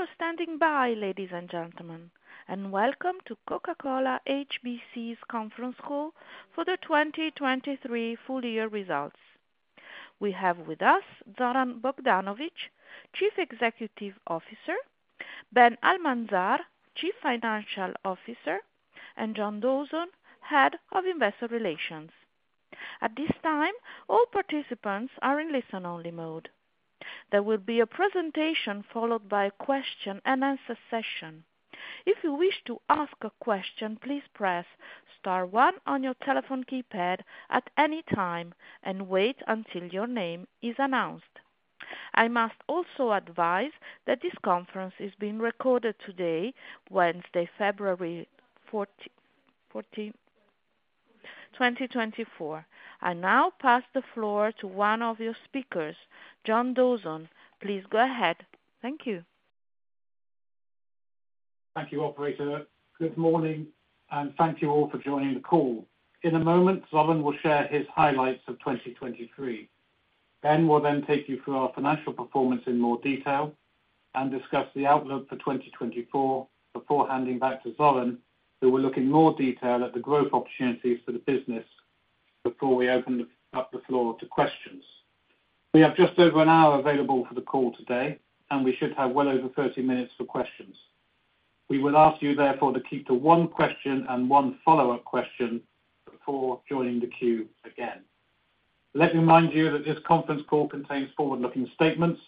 Thank you for standing by, ladies and gentlemen, and welcome to Coca-Cola HBC's conference call for the 2023 full-year results. We have with us Zoran Bogdanović, Chief Executive Officer, Ben Almanzar, Chief Financial Officer, and John Dawson, Head of Investor Relations. At this time, all participants are in listen-only mode. There will be a presentation followed by a question-and-answer session. If you wish to ask a question, please press star one on your telephone keypad at any time and wait until your name is announced. I must also advise that this conference is being recorded today, Wednesday, February 14, 2024. I now pass the floor to one of your speakers, John Dawson. Please go ahead. Thank you. Thank you, Operator. Good morning, and thank you all for joining the call. In a moment, Zoran will share his highlights of 2023. Ben will then take you through our financial performance in more detail and discuss the outlook for 2024 before handing back to Zoran, who will look in more detail at the growth opportunities for the business before we open up the floor to questions. We have just over an hour available for the call today, and we should have well over 30 minutes for questions. We would ask you, therefore, to keep to one question and one follow-up question before joining the queue again. Let me remind you that this conference call contains forward-looking statements,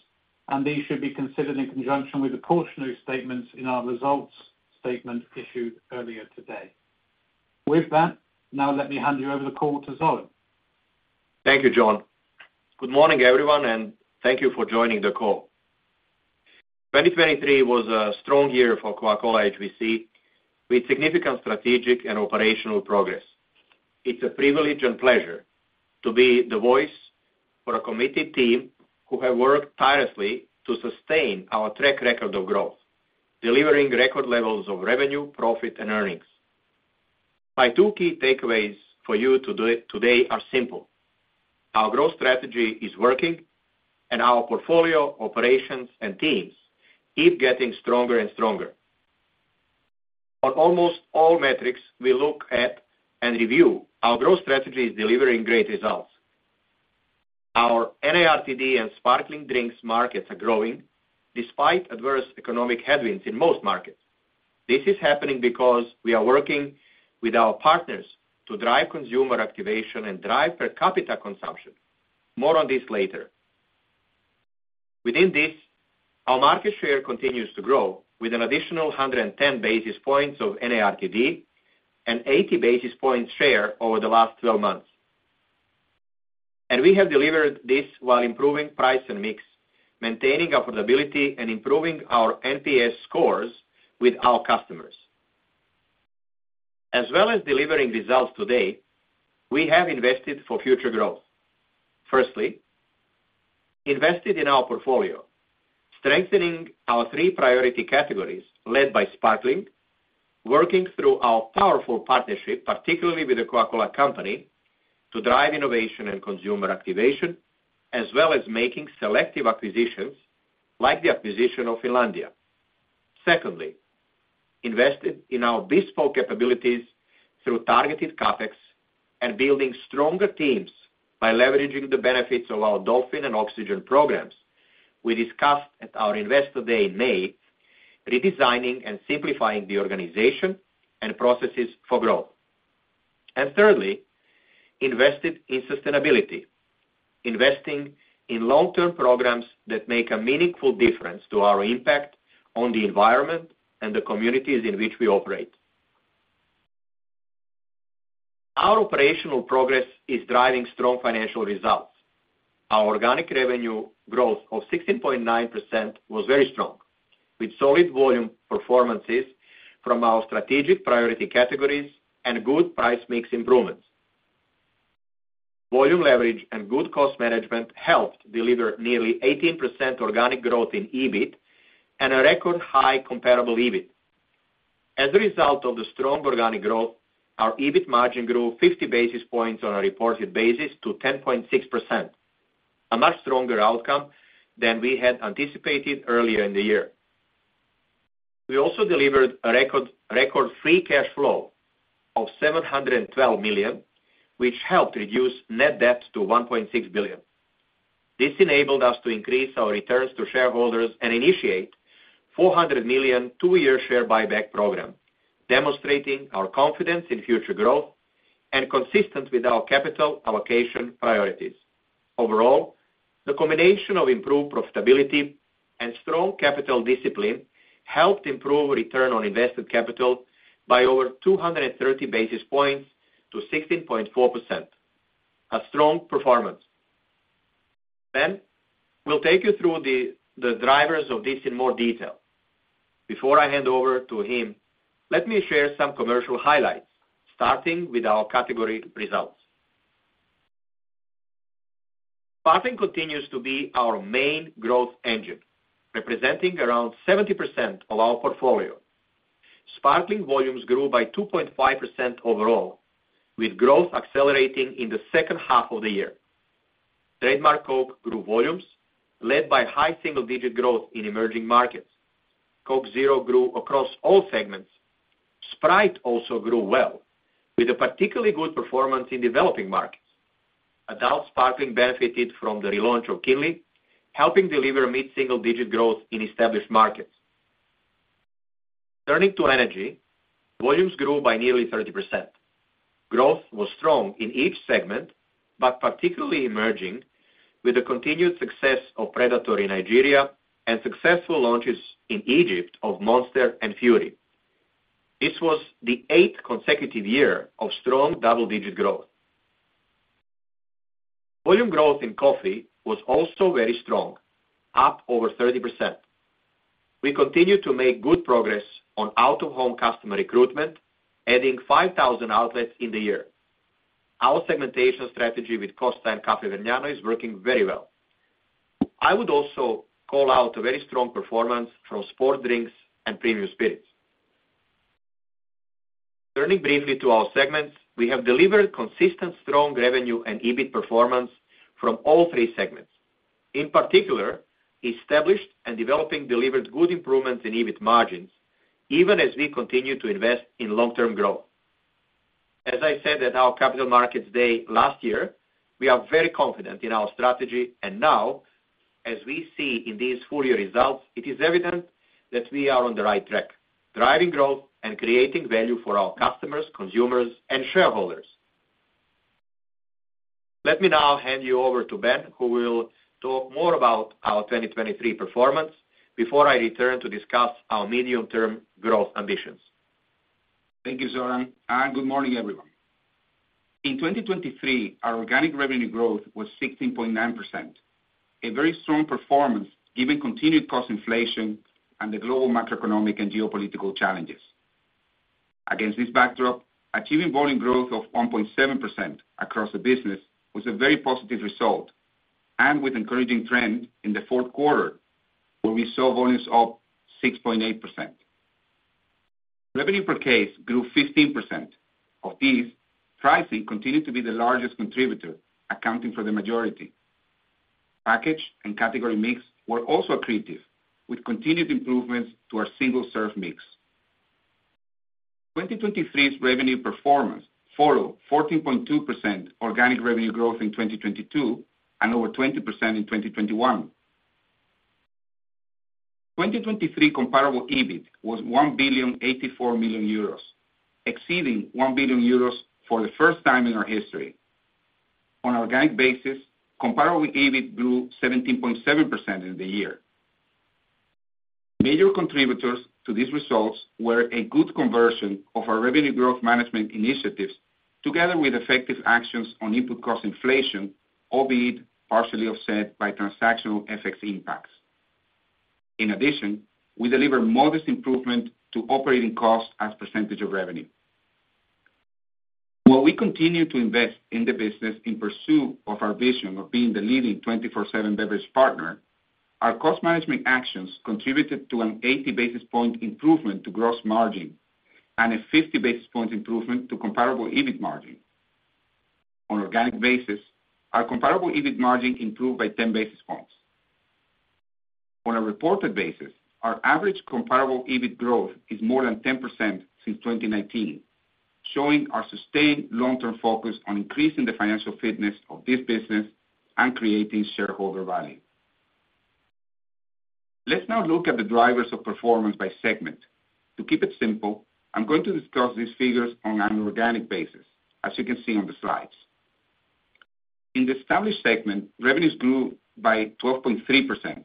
and these should be considered in conjunction with the portion of statements in our results statement issued earlier today. With that, now let me hand you over the call to Zoran. Thank you, John. Good morning, everyone, and thank you for joining the call. 2023 was a strong year for Coca-Cola HBC with significant strategic and operational progress. It's a privilege and pleasure to be the voice for a committed team who have worked tirelessly to sustain our track record of growth, delivering record levels of revenue, profit, and earnings. My two key takeaways for you today are simple: our growth strategy is working, and our portfolio, operations, and teams keep getting stronger and stronger. On almost all metrics we look at and review, our growth strategy is delivering great results. Our NARTD and sparkling drinks markets are growing despite adverse economic headwinds in most markets. This is happening because we are working with our partners to drive consumer activation and drive per capita consumption. More on this later. Within this, our market share continues to grow with an additional 110 basis points of NARTD and 80 basis points share over the last 12 months. We have delivered this while improving price and mix, maintaining affordability, and improving our NPS scores with our customers. As well as delivering results today, we have invested for future growth. Firstly, invested in our portfolio, strengthening our three priority categories led by sparkling, working through our powerful partnership, particularly with the Coca-Cola Company, to drive innovation and consumer activation, as well as making selective acquisitions like the acquisition of Finlandia. Secondly, invested in our bespoke capabilities through targeted CapEx and building stronger teams by leveraging the benefits of our dolphin and oxygen programs we discussed at our investor day in May, redesigning and simplifying the organization and processes for growth. Thirdly, invested in sustainability, investing in long-term programs that make a meaningful difference to our impact on the environment and the communities in which we operate. Our operational progress is driving strong financial results. Our organic revenue growth of 16.9% was very strong, with solid volume performances from our strategic priority categories and good price mix improvements. Volume leverage and good cost management helped deliver nearly 18% organic growth in EBIT and a record high comparable EBIT. As a result of the strong organic growth, our EBIT margin grew 50 basis points on a reported basis to 10.6%, a much stronger outcome than we had anticipated earlier in the year. We also delivered a record free cash flow of 712 million, which helped reduce net debt to 1.6 billion. This enabled us to increase our returns to shareholders and initiate a 400 million two-year share buyback program, demonstrating our confidence in future growth and consistency with our capital allocation priorities. Overall, the combination of improved profitability and strong capital discipline helped improve return on invested capital by over 230 basis points to 16.4%, a strong performance. Ben will take you through the drivers of this in more detail. Before I hand over to him, let me share some commercial highlights, starting with our category results. Sparkling continues to be our main growth engine, representing around 70% of our portfolio. Sparkling volumes grew by 2.5% overall, with growth accelerating in the second half of the year. Trademark Coke grew volumes, led by high single-digit growth in emerging markets. Coke Zero grew across all segments. Sprite also grew well, with a particularly good performance in developing markets. Adult Sparkling benefited from the relaunch of Kinley, helping deliver mid-single-digit growth in established markets. Turning to energy, volumes grew by nearly 30%. Growth was strong in each segment, but particularly emerging with the continued success of Predator in Nigeria and successful launches in Egypt of Monster and Fury. This was the eighth consecutive year of strong double-digit growth. Volume growth in coffee was also very strong, up over 30%. We continue to make good progress on out-of-home customer recruitment, adding 5,000 outlets in the year. Our segmentation strategy with Costa and Caffè Vergnano is working very well. I would also call out a very strong performance from sports drinks and premium spirits. Turning briefly to our segments, we have delivered consistent, strong revenue and EBIT performance from all three segments. In particular, established and developing delivered good improvements in EBIT margins, even as we continue to invest in long-term growth. As I said at our Capital Markets Day last year, we are very confident in our strategy. And now, as we see in these full-year results, it is evident that we are on the right track, driving growth and creating value for our customers, consumers, and shareholders. Let me now hand you over to Ben, who will talk more about our 2023 performance before I return to discuss our medium-term growth ambitions. Thank you, Zoran. Good morning, everyone. In 2023, our organic revenue growth was 16.9%, a very strong performance given continued cost inflation and the global macroeconomic and geopolitical challenges. Against this backdrop, achieving volume growth of 1.7% across the business was a very positive result, and with an encouraging trend in the fourth quarter, where we saw volumes up 6.8%. Revenue per case grew 15%. Of these, pricing continued to be the largest contributor, accounting for the majority. Package and category mix were also accretive, with continued improvements to our single-serve mix. 2023's revenue performance followed 14.2% organic revenue growth in 2022 and over 20% in 2021. 2023 comparable EBIT was 1.084 billion, exceeding 1 billion euros for the first time in our history. On an organic basis, comparable EBIT grew 17.7% in the year. Major contributors to these results were a good conversion of our revenue growth management initiatives together with effective actions on input cost inflation, albeit partially offset by transactional effects impacts. In addition, we deliver modest improvement to operating costs as a percentage of revenue. While we continue to invest in the business in pursuit of our vision of being the leading 24/7 beverage partner, our cost management actions contributed to an 80 basis points improvement to gross margin and a 50 basis points improvement to comparable EBIT margin. On an organic basis, our comparable EBIT margin improved by 10 basis points. On a reported basis, our average comparable EBIT growth is more than 10% since 2019, showing our sustained long-term focus on increasing the financial fitness of this business and creating shareholder value. Let's now look at the drivers of performance by segment. To keep it simple, I'm going to discuss these figures on an organic basis, as you can see on the slides. In the established segment, revenues grew by 12.3%.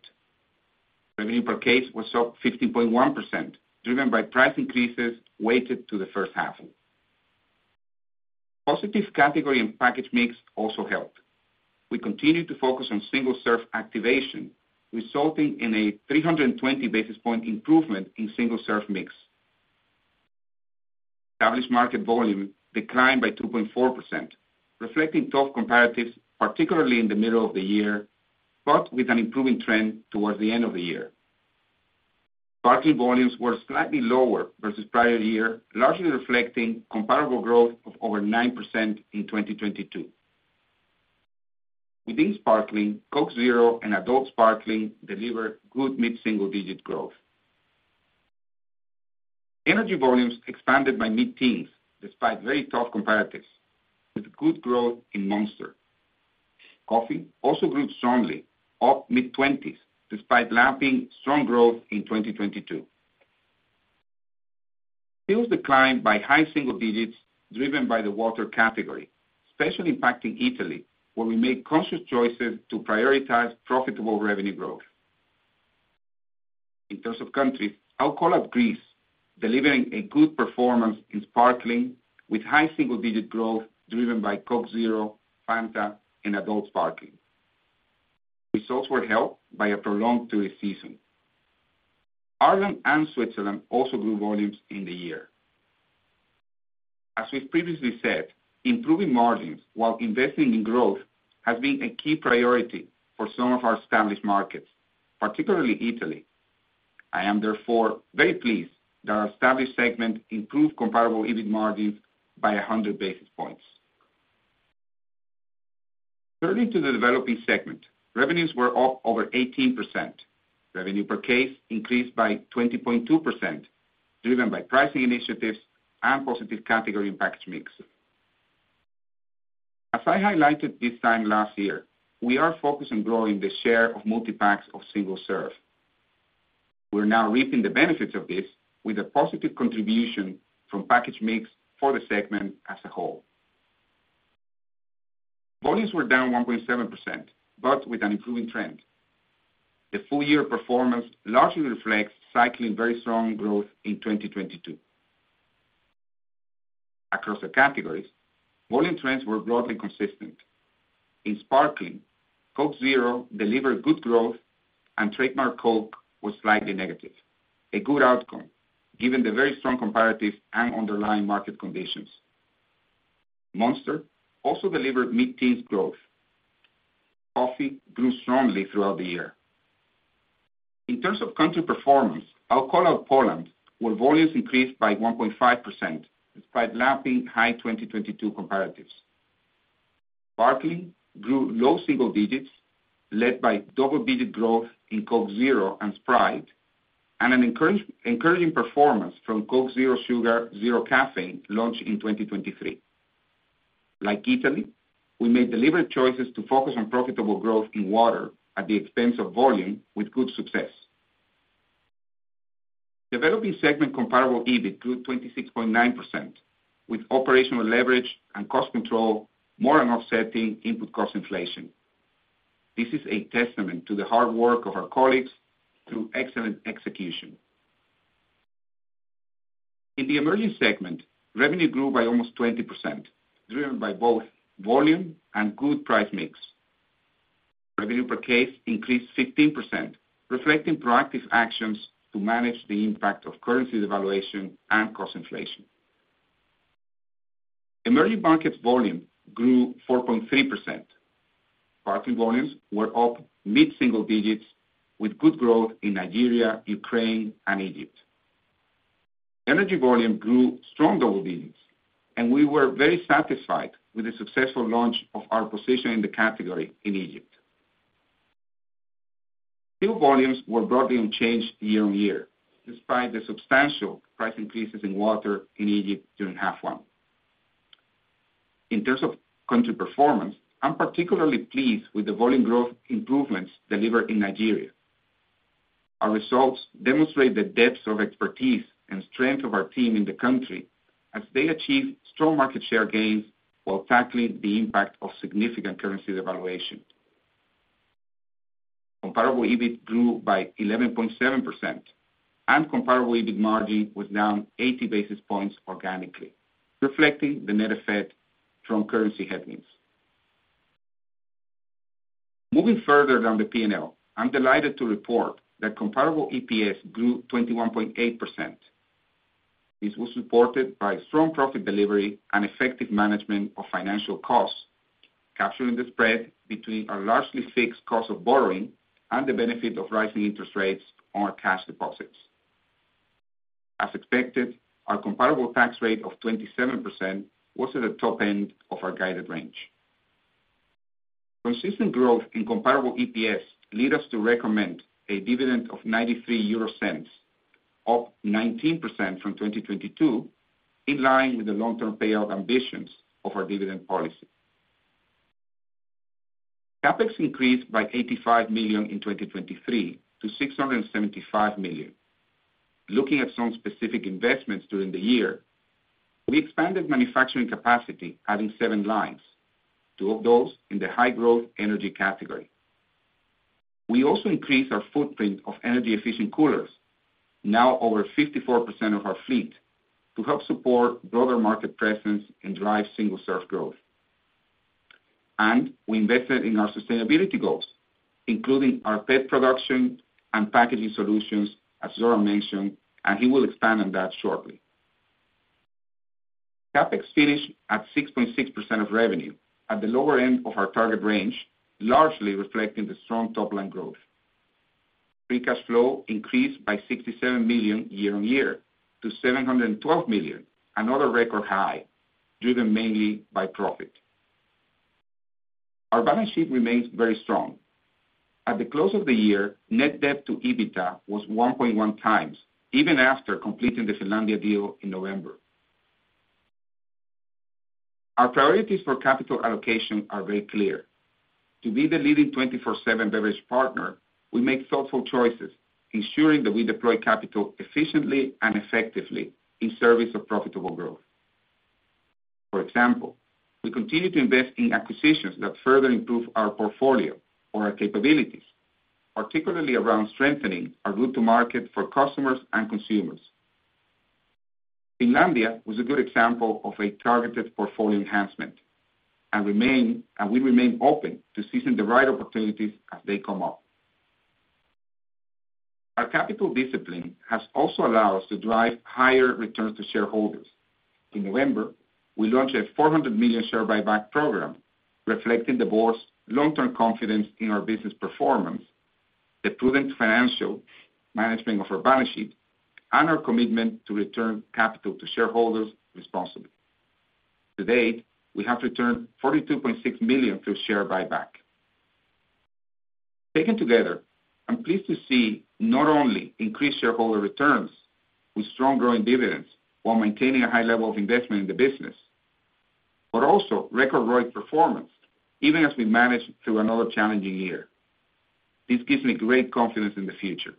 Revenue per case was up 15.1%, driven by price increases weighted to the first half. Positive category and package mix also helped. We continue to focus on single-serve activation, resulting in a 320 basis points improvement in single-serve mix. Established market volume declined by 2.4%, reflecting tough comparatives, particularly in the middle of the year, but with an improving trend towards the end of the year. Sparkling volumes were slightly lower versus prior year, largely reflecting comparable growth of over 9% in 2022. Within sparkling, Coke Zero and Adult Sparkling deliver good mid-single-digit growth. Energy volumes expanded by mid-teens despite very tough comparatives, with good growth in Monster. Coffee also grew strongly, up mid-20s despite lapping strong growth in 2022. Fuel's decline by high single digits, driven by the water category, especially impacting Italy, where we made conscious choices to prioritize profitable revenue growth. In terms of countries, I'll call out Greece, delivering a good performance in sparkling with high single-digit growth driven by Coke Zero, Fanta, and Adult Sparkling. Results were helped by a prolonged tourist season. Ireland and Switzerland also grew volumes in the year. As we've previously said, improving margins while investing in growth has been a key priority for some of our established markets, particularly Italy. I am, therefore, very pleased that our established segment improved comparable EBIT margins by 100 basis points. Turning to the developing segment, revenues were up over 18%. Revenue per case increased by 20.2%, driven by pricing initiatives and positive category and package mix. As I highlighted this time last year, we are focused on growing the share of multi-packs of single-serve. We're now reaping the benefits of this with a positive contribution from package mix for the segment as a whole. Volumes were down 1.7%, but with an improving trend. The full-year performance largely reflects cycling very strong growth in 2022. Across the categories, volume trends were broadly consistent. In sparkling, Coke Zero delivered good growth, and Trademark Coke was slightly negative, a good outcome given the very strong comparative and underlying market conditions. Monster also delivered mid-teens growth. Coffee grew strongly throughout the year. In terms of country performance, I'll call out Poland, where volumes increased by 1.5% despite lapping high 2022 comparatives. Sparkling grew low single digits, led by double-digit growth in Coke Zero and Sprite, and an encouraging performance from Coke Zero Sugar Zero Caffeine launched in 2023. Like Italy, we made deliberate choices to focus on profitable growth in water at the expense of volume with good success. Developing segment comparable EBIT grew 26.9%, with operational leverage and cost control more than offsetting input cost inflation. This is a testament to the hard work of our colleagues through excellent execution. In the emerging segment, revenue grew by almost 20%, driven by both volume and good price mix. Revenue per case increased 15%, reflecting proactive actions to manage the impact of currency devaluation and cost inflation. Emerging market volume grew 4.3%. Sparkling volumes were up mid-single digits, with good growth in Nigeria, Ukraine, and Egypt. Energy volume grew strong double digits, and we were very satisfied with the successful launch of our position in the category in Egypt. Fuel volumes were broadly unchanged year-on-year despite the substantial price increases in water in Egypt during half one. In terms of country performance, I'm particularly pleased with the volume growth improvements delivered in Nigeria. Our results demonstrate the depth of expertise and strength of our team in the country as they achieve strong market share gains while tackling the impact of significant currency devaluation. Comparable EBIT grew by 11.7%, and comparable EBIT margin was down 80 basis points organically, reflecting the net effect from currency headwinds. Moving further down the P&L, I'm delighted to report that comparable EPS grew 21.8%. This was supported by strong profit delivery and effective management of financial costs, capturing the spread between our largely fixed cost of borrowing and the benefit of rising interest rates on our cash deposits. As expected, our comparable tax rate of 27% was at the top end of our guided range. Consistent growth in comparable EPS led us to recommend a dividend of 0.93, up 19% from 2022, in line with the long-term payout ambitions of our dividend policy. CapEx increased by 85 million in 2023 to 675 million. Looking at some specific investments during the year, we expanded manufacturing capacity, adding seven lines, two of those in the high-growth energy category. We also increased our footprint of energy-efficient coolers, now over 54% of our fleet, to help support broader market presence and drive single-serve growth. And we invested in our sustainability goals, including our PET production and packaging solutions, as Zoran mentioned, and he will expand on that shortly. CapEx finished at 6.6% of revenue, at the lower end of our target range, largely reflecting the strong top-line growth. Free cash flow increased by 67 million year-on-year to 712 million, another record high, driven mainly by profit. Our balance sheet remains very strong. At the close of the year, net debt to EBITDA was 1.1x, even after completing the Finlandia deal in November. Our priorities for capital allocation are very clear. To be the leading 24/7 beverage partner, we make thoughtful choices, ensuring that we deploy capital efficiently and effectively in service of profitable growth. For example, we continue to invest in acquisitions that further improve our portfolio or our capabilities, particularly around strengthening our route to market for customers and consumers. Finlandia was a good example of a targeted portfolio enhancement, and we remain open to seizing the right opportunities as they come up. Our capital discipline has also allowed us to drive higher returns to shareholders. In November, we launched a 400 million share buyback program, reflecting the board's long-term confidence in our business performance, the prudent financial management of our balance sheet, and our commitment to return capital to shareholders responsibly. To date, we have returned 42.6 million through share buyback. Taken together, I'm pleased to see not only increased shareholder returns with strong growing dividends while maintaining a high level of investment in the business, but also record-breaking performance, even as we manage through another challenging year. This gives me great confidence in the future.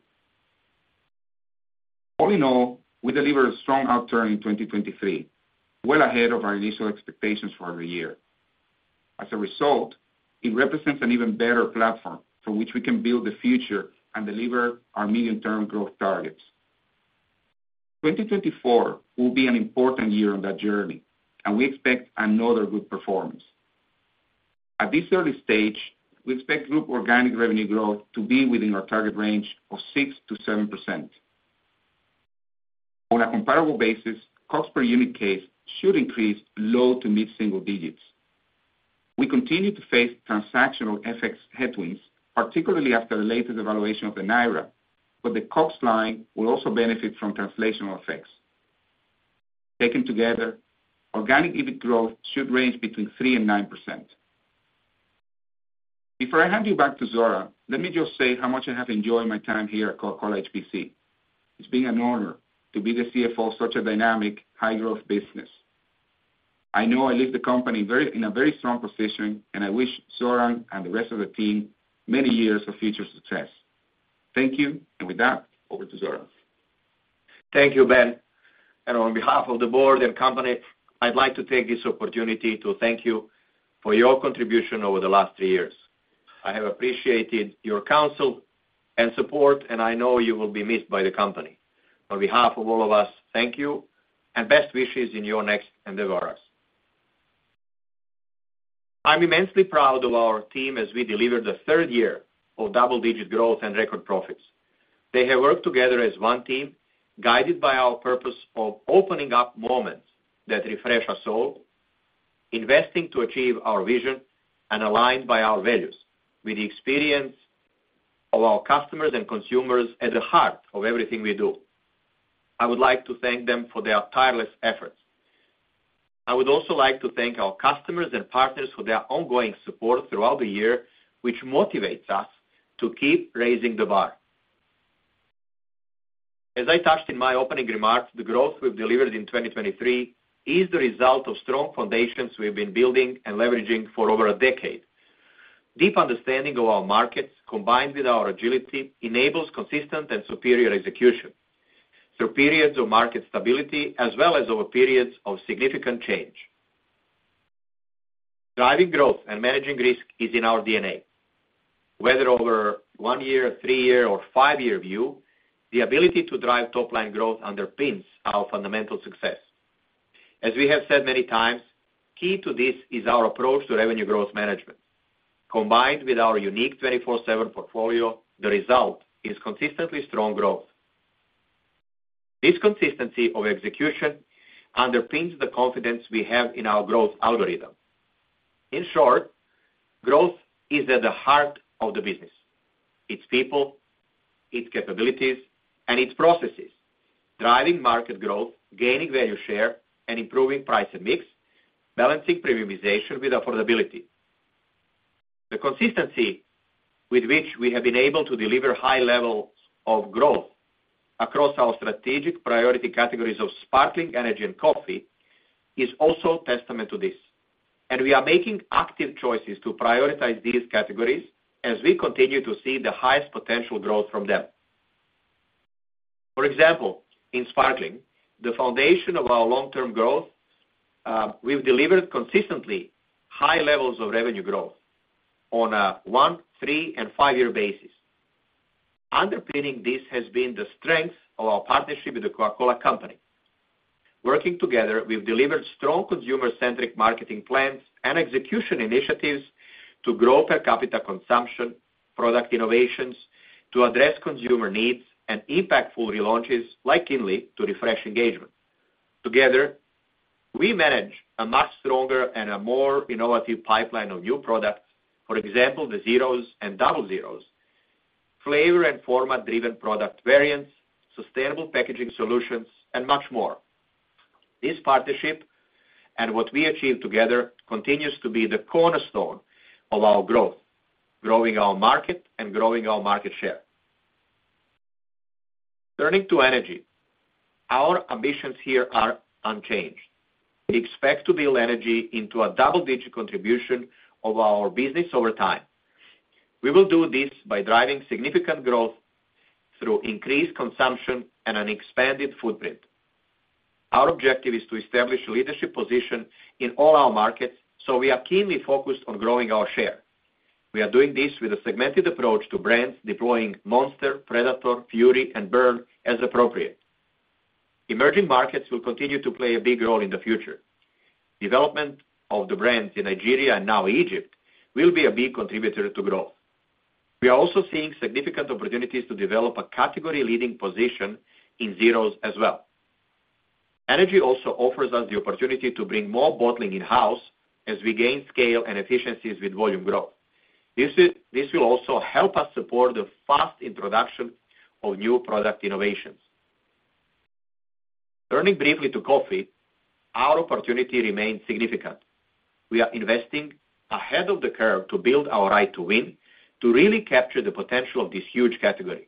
All in all, we deliver a strong outturn in 2023, well ahead of our initial expectations for the year. As a result, it represents an even better platform for which we can build the future and deliver our medium-term growth targets. 2024 will be an important year on that journey, and we expect another good performance. At this early stage, we expect group Organic Revenue Growth to be within our target range of 6%-7%. On a comparable basis, COGS per unit case should increase low to mid-single digits. We continue to face Transactional Effects headwinds, particularly after the latest devaluation of the Naira, but the COGS line will also benefit from Translational Effects. Taken together, Organic EBIT Growth should range between 3%-9%. Before I hand you back to Zoran, let me just say how much I have enjoyed my time here at Coca-Cola HBC. It's been an honor to be the CFO of such a dynamic, high-growth business. I know I leave the company in a very strong position, and I wish Zoran and the rest of the team many years of future success. Thank you, and with that, over to Zoran. Thank you, Ben. On behalf of the board and company, I'd like to take this opportunity to thank you for your contribution over the last three years. I have appreciated your counsel and support, and I know you will be missed by the company. On behalf of all of us, thank you, and best wishes in your next endeavors. I'm immensely proud of our team as we deliver the third year of double-digit growth and record profits. They have worked together as one team, guided by our purpose of opening up moments that refresh our soul, investing to achieve our vision, and aligned by our values with the experience of our customers and consumers at the heart of everything we do. I would like to thank them for their tireless efforts. I would also like to thank our customers and partners for their ongoing support throughout the year, which motivates us to keep raising the bar. As I touched in my opening remarks, the growth we've delivered in 2023 is the result of strong foundations we've been building and leveraging for over a decade. Deep understanding of our markets, combined with our agility, enables consistent and superior execution through periods of market stability as well as over periods of significant change. Driving growth and managing risk is in our DNA. Whether over one year, three year, or five year view, the ability to drive top-line growth underpins our fundamental success. As we have said many times, key to this is our approach to revenue growth management. Combined with our unique 24/7 portfolio, the result is consistently strong growth. This consistency of execution underpins the confidence we have in our growth algorithm. In short, growth is at the heart of the business. It's people, its capabilities, and its processes driving market growth, gaining value share, and improving price and mix, balancing premiumization with affordability. The consistency with which we have been able to deliver high levels of growth across our strategic priority categories of sparkling energy and coffee is also a testament to this, and we are making active choices to prioritize these categories as we continue to see the highest potential growth from them. For example, in sparkling, the foundation of our long-term growth, we've delivered consistently high levels of revenue growth on a one, three, and five year basis. Underpinning this has been the strength of our partnership with the Coca-Cola Company. Working together, we've delivered strong consumer-centric marketing plans and execution initiatives to grow per capita consumption, product innovations, to address consumer needs, and impactful relaunches like Kinley to refresh engagement. Together, we manage a much stronger and a more innovative pipeline of new products, for example, the zeros and double zeros, flavor and format-driven product variants, sustainable packaging solutions, and much more. This partnership and what we achieve together continues to be the cornerstone of our growth, growing our market and growing our market share. Turning to energy, our ambitions here are unchanged. We expect to build energy into a double-digit contribution of our business over time. We will do this by driving significant growth through increased consumption and an expanded footprint. Our objective is to establish a leadership position in all our markets, so we are keenly focused on growing our share. We are doing this with a segmented approach to brands deploying Monster, Predator, Fury, and Burn as appropriate. Emerging markets will continue to play a big role in the future. Development of the brands in Nigeria and now Egypt will be a big contributor to growth. We are also seeing significant opportunities to develop a category-leading position in zeros as well. Energy also offers us the opportunity to bring more bottling in-house as we gain scale and efficiencies with volume growth. This will also help us support the fast introduction of new product innovations. Turning briefly to coffee, our opportunity remains significant. We are investing ahead of the curve to build our right to win to really capture the potential of this huge category.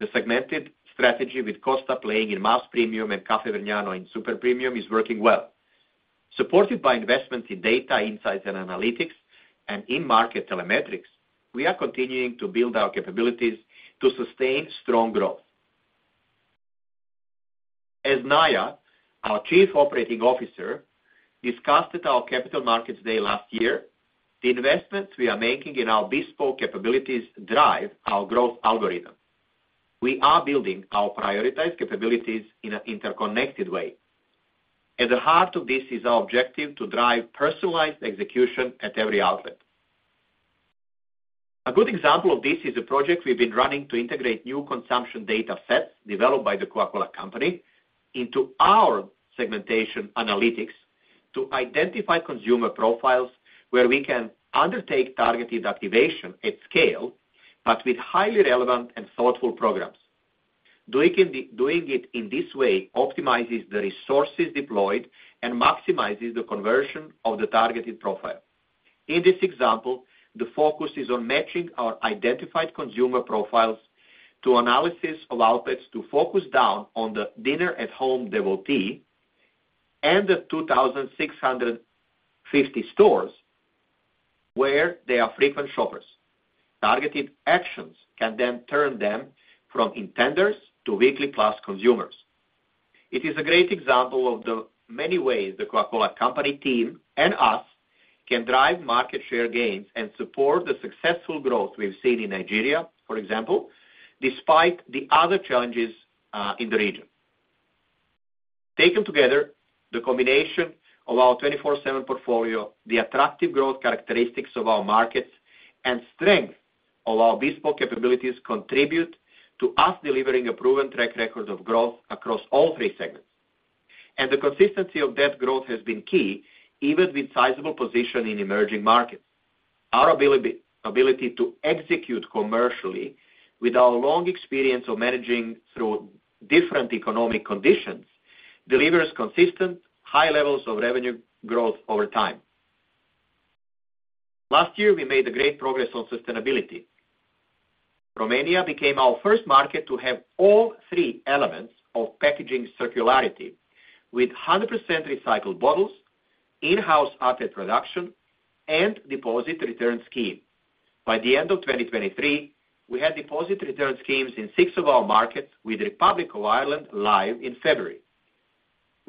The segmented strategy with Costa playing in mass premium and Caffè Vergnano in super premium is working well. Supported by investment in data insights and analytics and in-market telemetrics, we are continuing to build our capabilities to sustain strong growth. As Naya, our Chief Operating Officer, discussed at our Capital Markets Day last year, the investments we are making in our bespoke capabilities drive our growth algorithm. We are building our prioritized capabilities in an interconnected way. At the heart of this is our objective to drive personalized execution at every outlet. A good example of this is a project we've been running to integrate new consumption data sets developed by the Coca-Cola Company into our segmentation analytics to identify consumer profiles where we can undertake targeted activation at scale, but with highly relevant and thoughtful programs. Doing it in this way optimizes the resources deployed and maximizes the conversion of the targeted profile. In this example, the focus is on matching our identified consumer profiles to analysis of outlets to focus down on the dinner-at-home devotee and the 2,650 stores where they are frequent shoppers. Targeted actions can then turn them from intenders to weekly-plus consumers. It is a great example of the many ways the Coca-Cola Company team and us can drive market share gains and support the successful growth we've seen in Nigeria, for example, despite the other challenges in the region. Taken together, the combination of our 24/7 portfolio, the attractive growth characteristics of our markets, and strength of our bespoke capabilities contribute to us delivering a proven track record of growth across all three segments. The consistency of that growth has been key, even with sizable position in emerging markets. Our ability to execute commercially with our long experience of managing through different economic conditions delivers consistent, high levels of revenue growth over time. Last year, we made great progress on sustainability. Romania became our first market to have all three elements of packaging circularity with 100% recycled bottles, in-house outlet production, and deposit return scheme. By the end of 2023, we had deposit return schemes in six of our markets with Republic of Ireland live in February.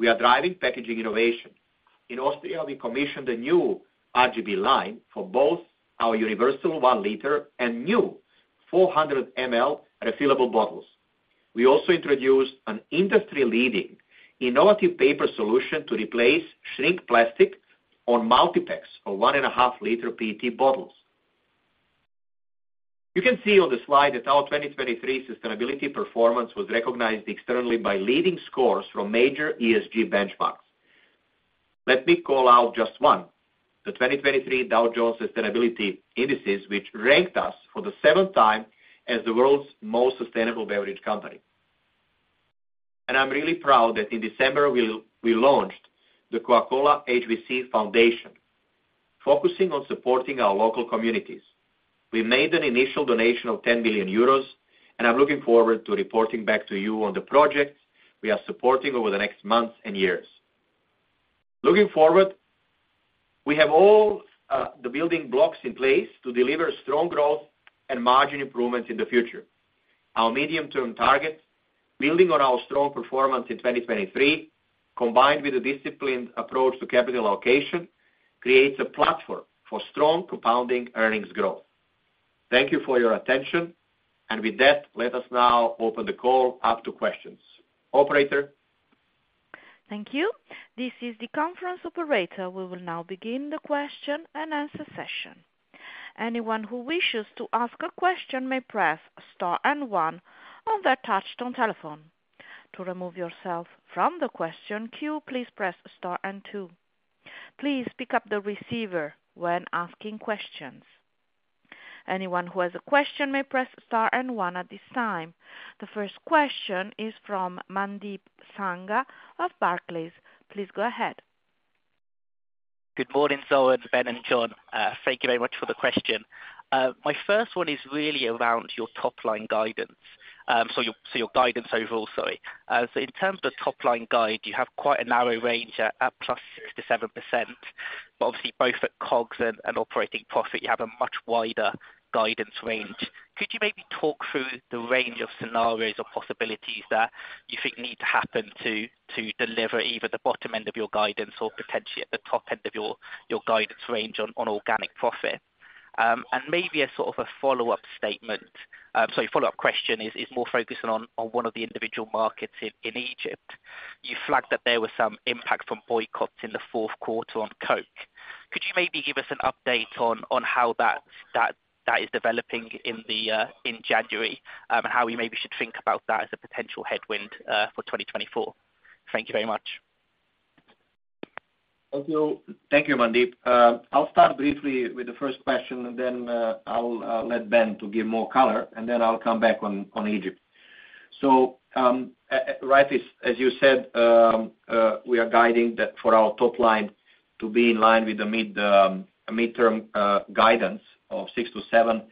We are driving packaging innovation. In Austria, we commissioned a new RGB line for both our universal 1-liter and new 400-ml refillable bottles. We also introduced an industry-leading innovative paper solution to replace shrink plastic on multi-packs of 1.5-liter PET bottles. You can see on the slide that our 2023 sustainability performance was recognized externally by leading scores from major ESG benchmarks. Let me call out just one, the 2023 Dow Jones Sustainability Indices, which ranked us for the seventh time as the world's most sustainable beverage company. I'm really proud that in December, we launched the Coca-Cola HBC Foundation, focusing on supporting our local communities. We made an initial donation of 10 million euros, and I'm looking forward to reporting back to you on the projects we are supporting over the next months and years. Looking forward, we have all the building blocks in place to deliver strong growth and margin improvements in the future. Our medium-term target, building on our strong performance in 2023, combined with a disciplined approach to capital allocation, creates a platform for strong compounding earnings growth. Thank you for your attention. And with that, let us now open the call up to questions. Operator. Thank you. This is the conference operator. We will now begin the question-and-answer session. Anyone who wishes to ask a question may press star and one on their touch-tone telephone. To remove yourself from the question queue, please press star and two. Please pick up the receiver when asking questions. Anyone who has a question may press star and one at this time. The first question is from Mandeep Sangha of Barclays. Please go ahead. Good morning, Zoran, Ben, and John. Thank you very much for the question. My first one is really around your top-line guidance, so your guidance overall, sorry. So in terms of the top-line guide, you have quite a narrow range at +67%. But obviously, both at COGS and operating profit, you have a much wider guidance range. Could you maybe talk through the range of scenarios or possibilities that you think need to happen to deliver either the bottom end of your guidance or potentially at the top end of your guidance range on organic profit? And maybe a sort of a follow-up statement, sorry, follow-up question is more focused on one of the individual markets in Egypt. You flagged that there was some impact from boycotts in the fourth quarter on Coke. Could you maybe give us an update on how that is developing in January and how we maybe should think about that as a potential headwind for 2024? Thank you very much. Thank you. Thank you, Mandeep. I'll start briefly with the first question, and then I'll let Ben to give more color, and then I'll come back on Egypt. So right, as you said, we are guiding for our top-line to be in line with the mid-term guidance of six to seven,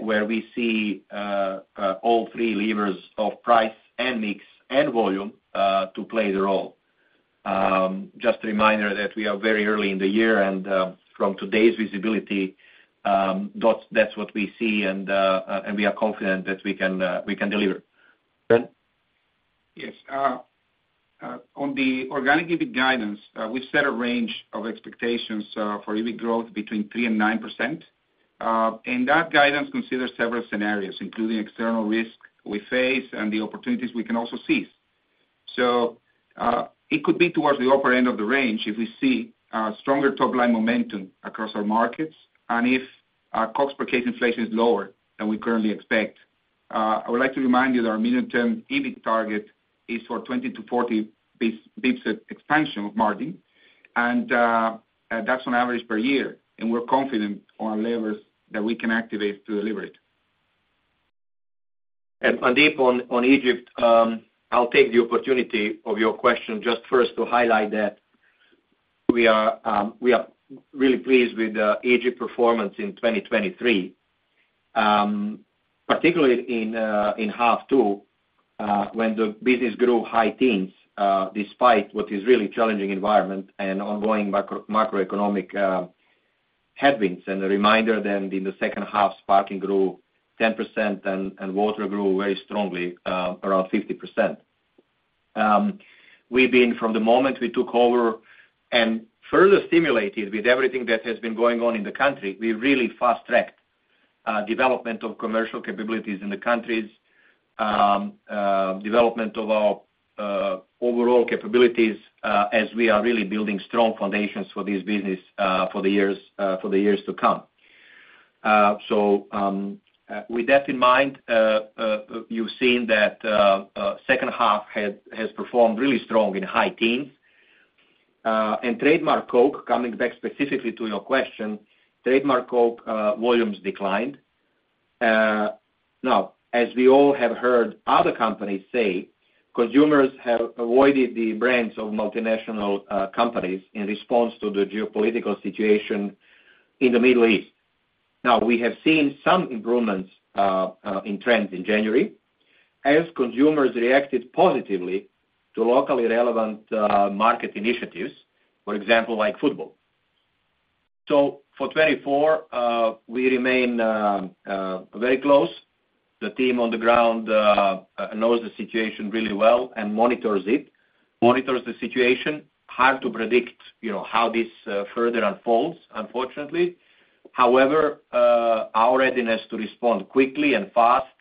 where we see all three levers of price and mix and volume to play the role. Just a reminder that we are very early in the year, and from today's visibility, that's what we see, and we are confident that we can deliver. Ben? Yes. On the organic EBIT guidance, we've set a range of expectations for EBIT growth between 3%-9%. That guidance considers several scenarios, including external risk we face and the opportunities we can also seize. So it could be towards the upper end of the range if we see stronger top-line momentum across our markets and if COGS per case inflation is lower than we currently expect. I would like to remind you that our medium-term EBIT target is for 20-40 basis points expansion of margin, and that's on average per year. We're confident on our levers that we can activate to deliver it. Mandeep, on Egypt, I'll take the opportunity of your question just first to highlight that we are really pleased with Egypt's performance in 2023, particularly in half two when the business grew high teens despite what is really challenging environment and ongoing macroeconomic headwinds. A reminder then in the second half, sparkling grew 10% and water grew very strongly around 50%. We've been, from the moment we took over and further stimulated with everything that has been going on in the country, we've really fast-tracked development of commercial capabilities in the countries, development of our overall capabilities as we are really building strong foundations for this business for the years to come. So with that in mind, you've seen that second half has performed really strong in high teens. And Trademark Coke, coming back specifically to your question, Trademark Coke volumes declined. Now, as we all have heard other companies say, consumers have avoided the brands of multinational companies in response to the geopolitical situation in the Middle East. Now, we have seen some improvements in trends in January as consumers reacted positively to locally relevant market initiatives, for example, like football. So for 2024, we remain very close. The team on the ground knows the situation really well and monitors it, monitors the situation. Hard to predict how this further unfolds, unfortunately. However, our readiness to respond quickly and fast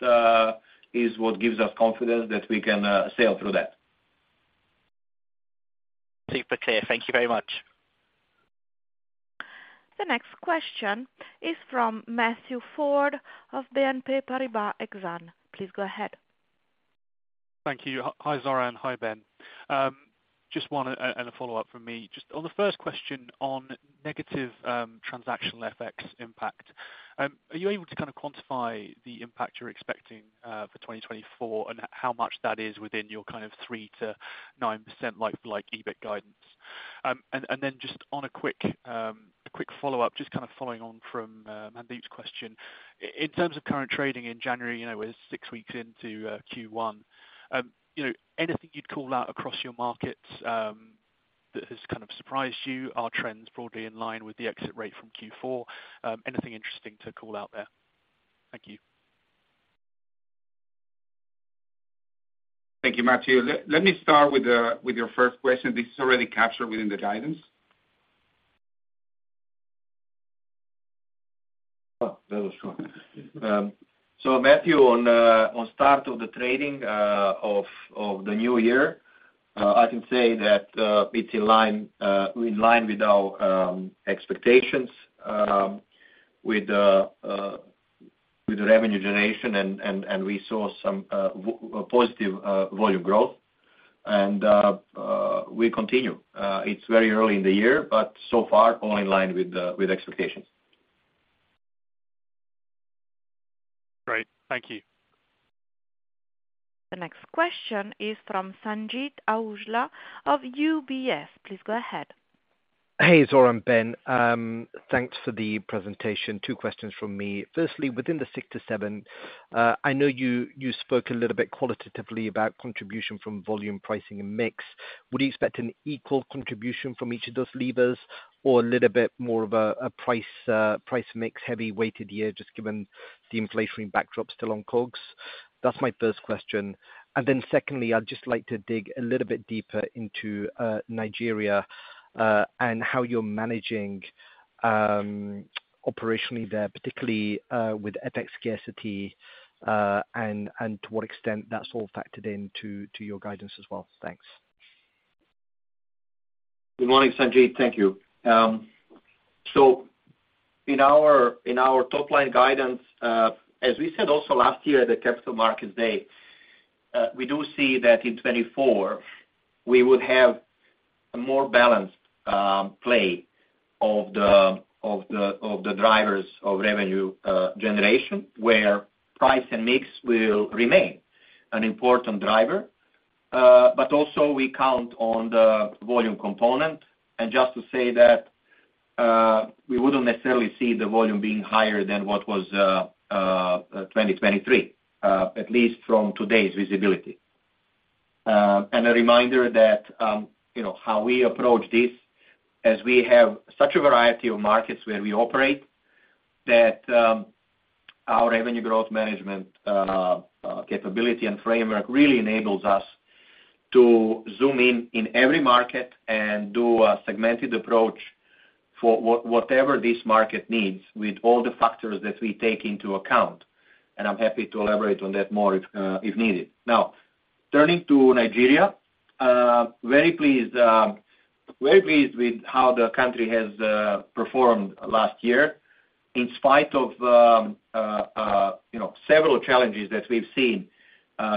is what gives us confidence that we can sail through that. Super clear. Thank you very much. The next question is from Matthew Ford of BNP Paribas Exane. Please go ahead. Thank you. Hi, Zoran. Hi, Ben. Just one and a follow-up from me. Just on the first question on negative transactional FX impact, are you able to kind of quantify the impact you're expecting for 2024 and how much that is within your kind of 3%-9%-like EBIT guidance? And then just on a quick follow-up, just kind of following on from Mandeep's question, in terms of current trading in January, we're six weeks into Q1. Anything you'd call out across your markets that has kind of surprised you? Are trends broadly in line with the exit rate from Q4? Anything interesting to call out there? Thank you. Thank you, Matthew. Let me start with your first question. This is already captured within the guidance. That was short. So Matthew, on start of the trading of the new year, I can say that it's in line with our expectations with the revenue generation, and we saw some positive volume growth. And we continue. It's very early in the year, but so far all in line with expectations. Great. Thank you. The next question is from Sanjeet Aujla of UBS. Please go ahead. Hey, Zoran, Ben. Thanks for the presentation. Two questions from me. Firstly, within the six to seven, I know you spoke a little bit qualitatively about contribution from volume, pricing, and mix. Would you expect an equal contribution from each of those levers or a little bit more of a price-mix-heavy weighted year, just given the inflationary backdrop still on COGS? That's my first question. And then secondly, I'd just like to dig a little bit deeper into Nigeria and how you're managing operationally there, particularly with FX scarcity, and to what extent that's all factored into your guidance as well. Thanks. Good morning, Sanjeet. Thank you. So in our top-line guidance, as we said also last year at the Capital Markets Day, we do see that in 2024, we would have a more balanced play of the drivers of revenue generation where price and mix will remain an important driver. But also, we count on the volume component. And just to say that we wouldn't necessarily see the volume being higher than what was 2023, at least from today's visibility. A reminder that how we approach this, as we have such a variety of markets where we operate, that our revenue growth management capability and framework really enables us to zoom in in every market and do a segmented approach for whatever this market needs with all the factors that we take into account. And I'm happy to elaborate on that more if needed. Now, turning to Nigeria, very pleased with how the country has performed last year in spite of several challenges that we've seen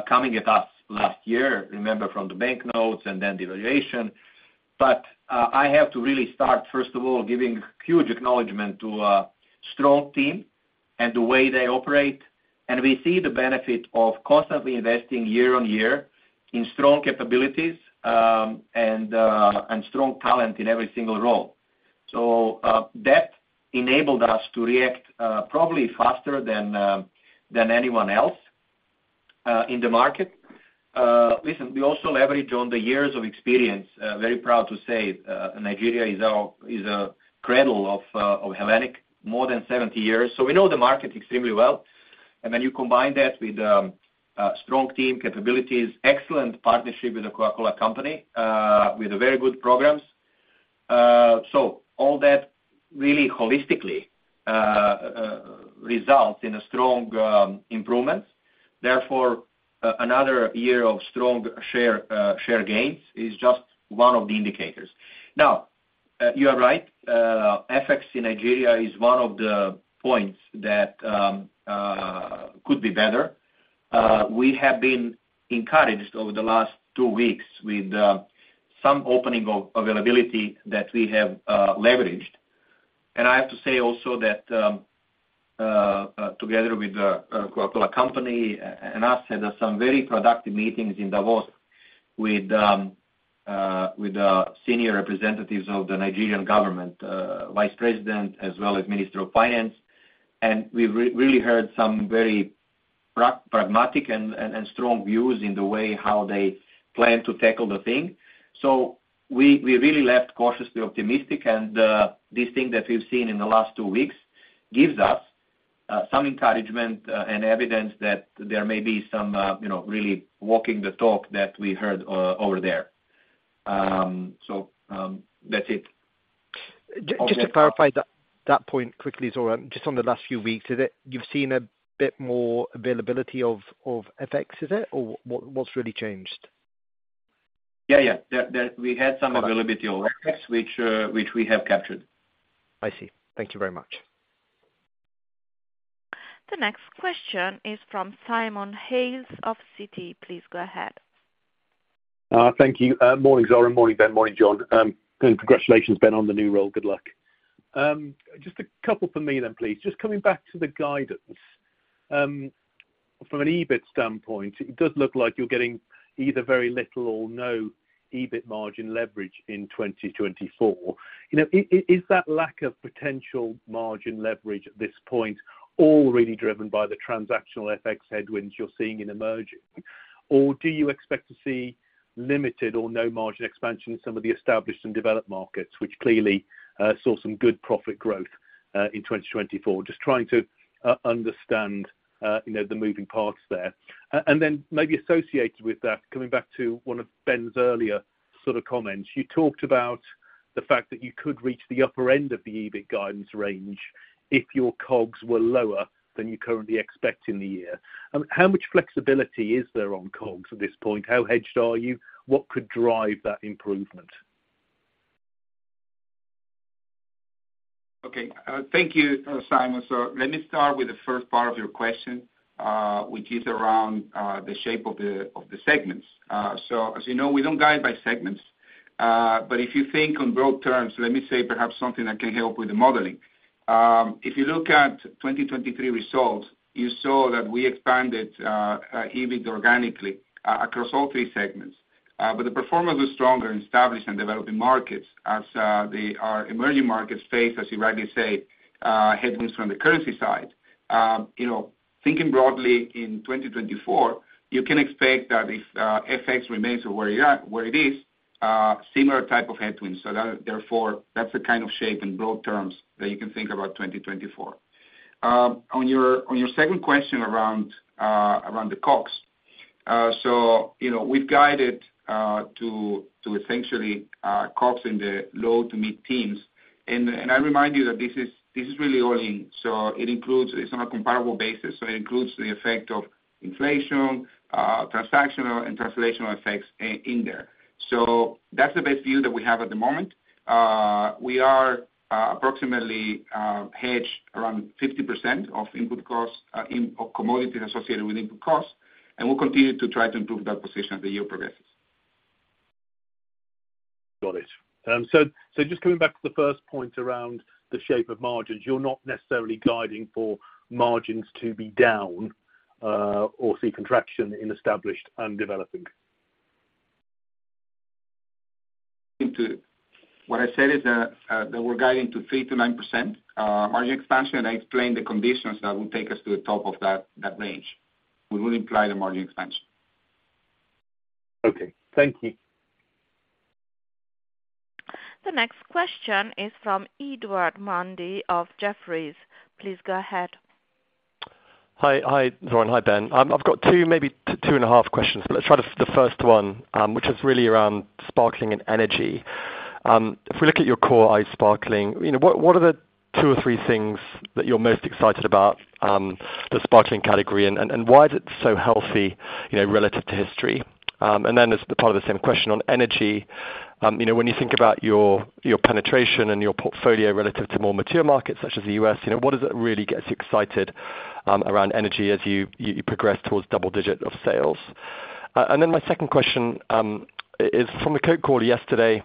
coming at us last year, remember, from the banknotes and then devaluation. But I have to really start, first of all, giving huge acknowledgment to a strong team and the way they operate. And we see the benefit of constantly investing year on year in strong capabilities and strong talent in every single role. So that enabled us to react probably faster than anyone else in the market. Listen, we also leverage on the years of experience. Very proud to say Nigeria is a cradle of Hellenic, more than 70 years. So we know the market extremely well. And when you combine that with strong team capabilities, excellent partnership with the Coca-Cola Company, with very good programs, so all that really holistically results in a strong improvement. Therefore, another year of strong share gains is just one of the indicators. Now, you are right. FX in Nigeria is one of the points that could be better. We have been encouraged over the last two weeks with some opening of availability that we have leveraged. I have to say also that together with the Coca-Cola Company and us had some very productive meetings in Davos with senior representatives of the Nigerian government, Vice President, as well as Minister of Finance. We really heard some very pragmatic and strong views in the way how they plan to tackle the thing. So we really left cautiously optimistic. This thing that we've seen in the last two weeks gives us some encouragement and evidence that there may be some really walking the talk that we heard over there. So that's it. Just to clarify that point quickly, Zoran, just on the last few weeks, you've seen a bit more availability of FX, is it? Or what's really changed? Yeah, yeah. We had some availability of FX, which we have captured. I see. Thank you very much. The next question is from Simon Hales of Citi. Please go ahead. Thank you. Morning, Zoran. Morning, Ben. Morning, John. Congratulations, Ben, on the new role. Good luck. Just a couple for me then, please. Just coming back to the guidance, from an EBIT standpoint, it does look like you're getting either very little or no EBIT margin leverage in 2024. Is that lack of potential margin leverage at this point all really driven by the transactional FX headwinds you're seeing in emerging? Or do you expect to see limited or no margin expansion in some of the established and developed markets, which clearly saw some good profit growth in 2024? Just trying to understand the moving parts there. And then maybe associated with that, coming back to one of Ben's earlier sort of comments, you talked about the fact that you could reach the upper end of the EBIT guidance range if your COGS were lower than you currently expect in the year. How much flexibility is there on COGS at this point? How hedged are you? What could drive that improvement? Okay. Thank you, Simon. So let me start with the first part of your question, which is around the shape of the segments. So as you know, we don't guide by segments. But if you think in broad terms, let me say perhaps something that can help with the modeling. If you look at 2023 results, you saw that we expanded EBIT organically across all three segments. But the performance was stronger in established and developing markets as our emerging markets face, as you rightly say, headwinds from the currency side. Thinking broadly, in 2024, you can expect that if FX remains where it is, similar type of headwinds. So therefore, that's the kind of shape in broad terms that you can think about 2024. On your second question around the COGS, so we've guided to essentially COGS in the low- to mid-teens percent. And I remind you that this is really all in. So it's on a comparable basis. So it includes the effect of inflation, transactional, and translational effects in there. So that's the best view that we have at the moment. We are approximately hedged around 50% of input costs of commodities associated with input costs. And we'll continue to try to improve that position as the year progresses. Got it. So just coming back to the first point around the shape of margins, you're not necessarily guiding for margins to be down or see contraction in established and developing? What I said is that we're guiding to 3%-9% margin expansion. And I explained the conditions that will take us to the top of that range. We wouldn't imply the margin expansion. Okay. Thank you. The next question is from Edward Mundy of Jefferies. Please go ahead. Hi, Zoran. Hi, Ben. I've got maybe two and a half questions. But let's try the first one, which is really around sparkling and energy. If we look at your core eyes, sparkling, what are the two or three things that you're most excited about, the sparkling category, and why is it so healthy relative to history? And then as part of the same question on energy, when you think about your penetration and your portfolio relative to more mature markets such as the U.S., what is it that really gets you excited around energy as you progress towards double-digit of sales? And then my second question is from a Coke caller yesterday.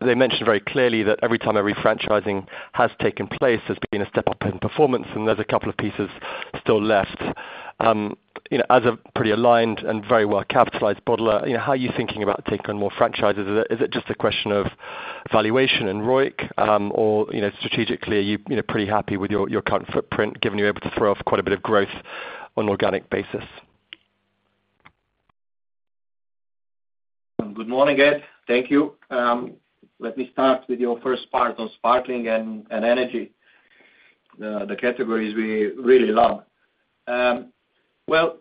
They mentioned very clearly that every time a refranchising has taken place, there's been a step up in performance. And there's a couple of pieces still left. As a pretty aligned and very well-capitalized bottler, how are you thinking about taking on more franchises? Is it just a question of valuation and ROIC? Or strategically, are you pretty happy with your current footprint, given you're able to throw off quite a bit of growth on an organic basis? Good morning, Ed. Thank you. Let me start with your first part on sparkling and energy, the categories we really love. Well,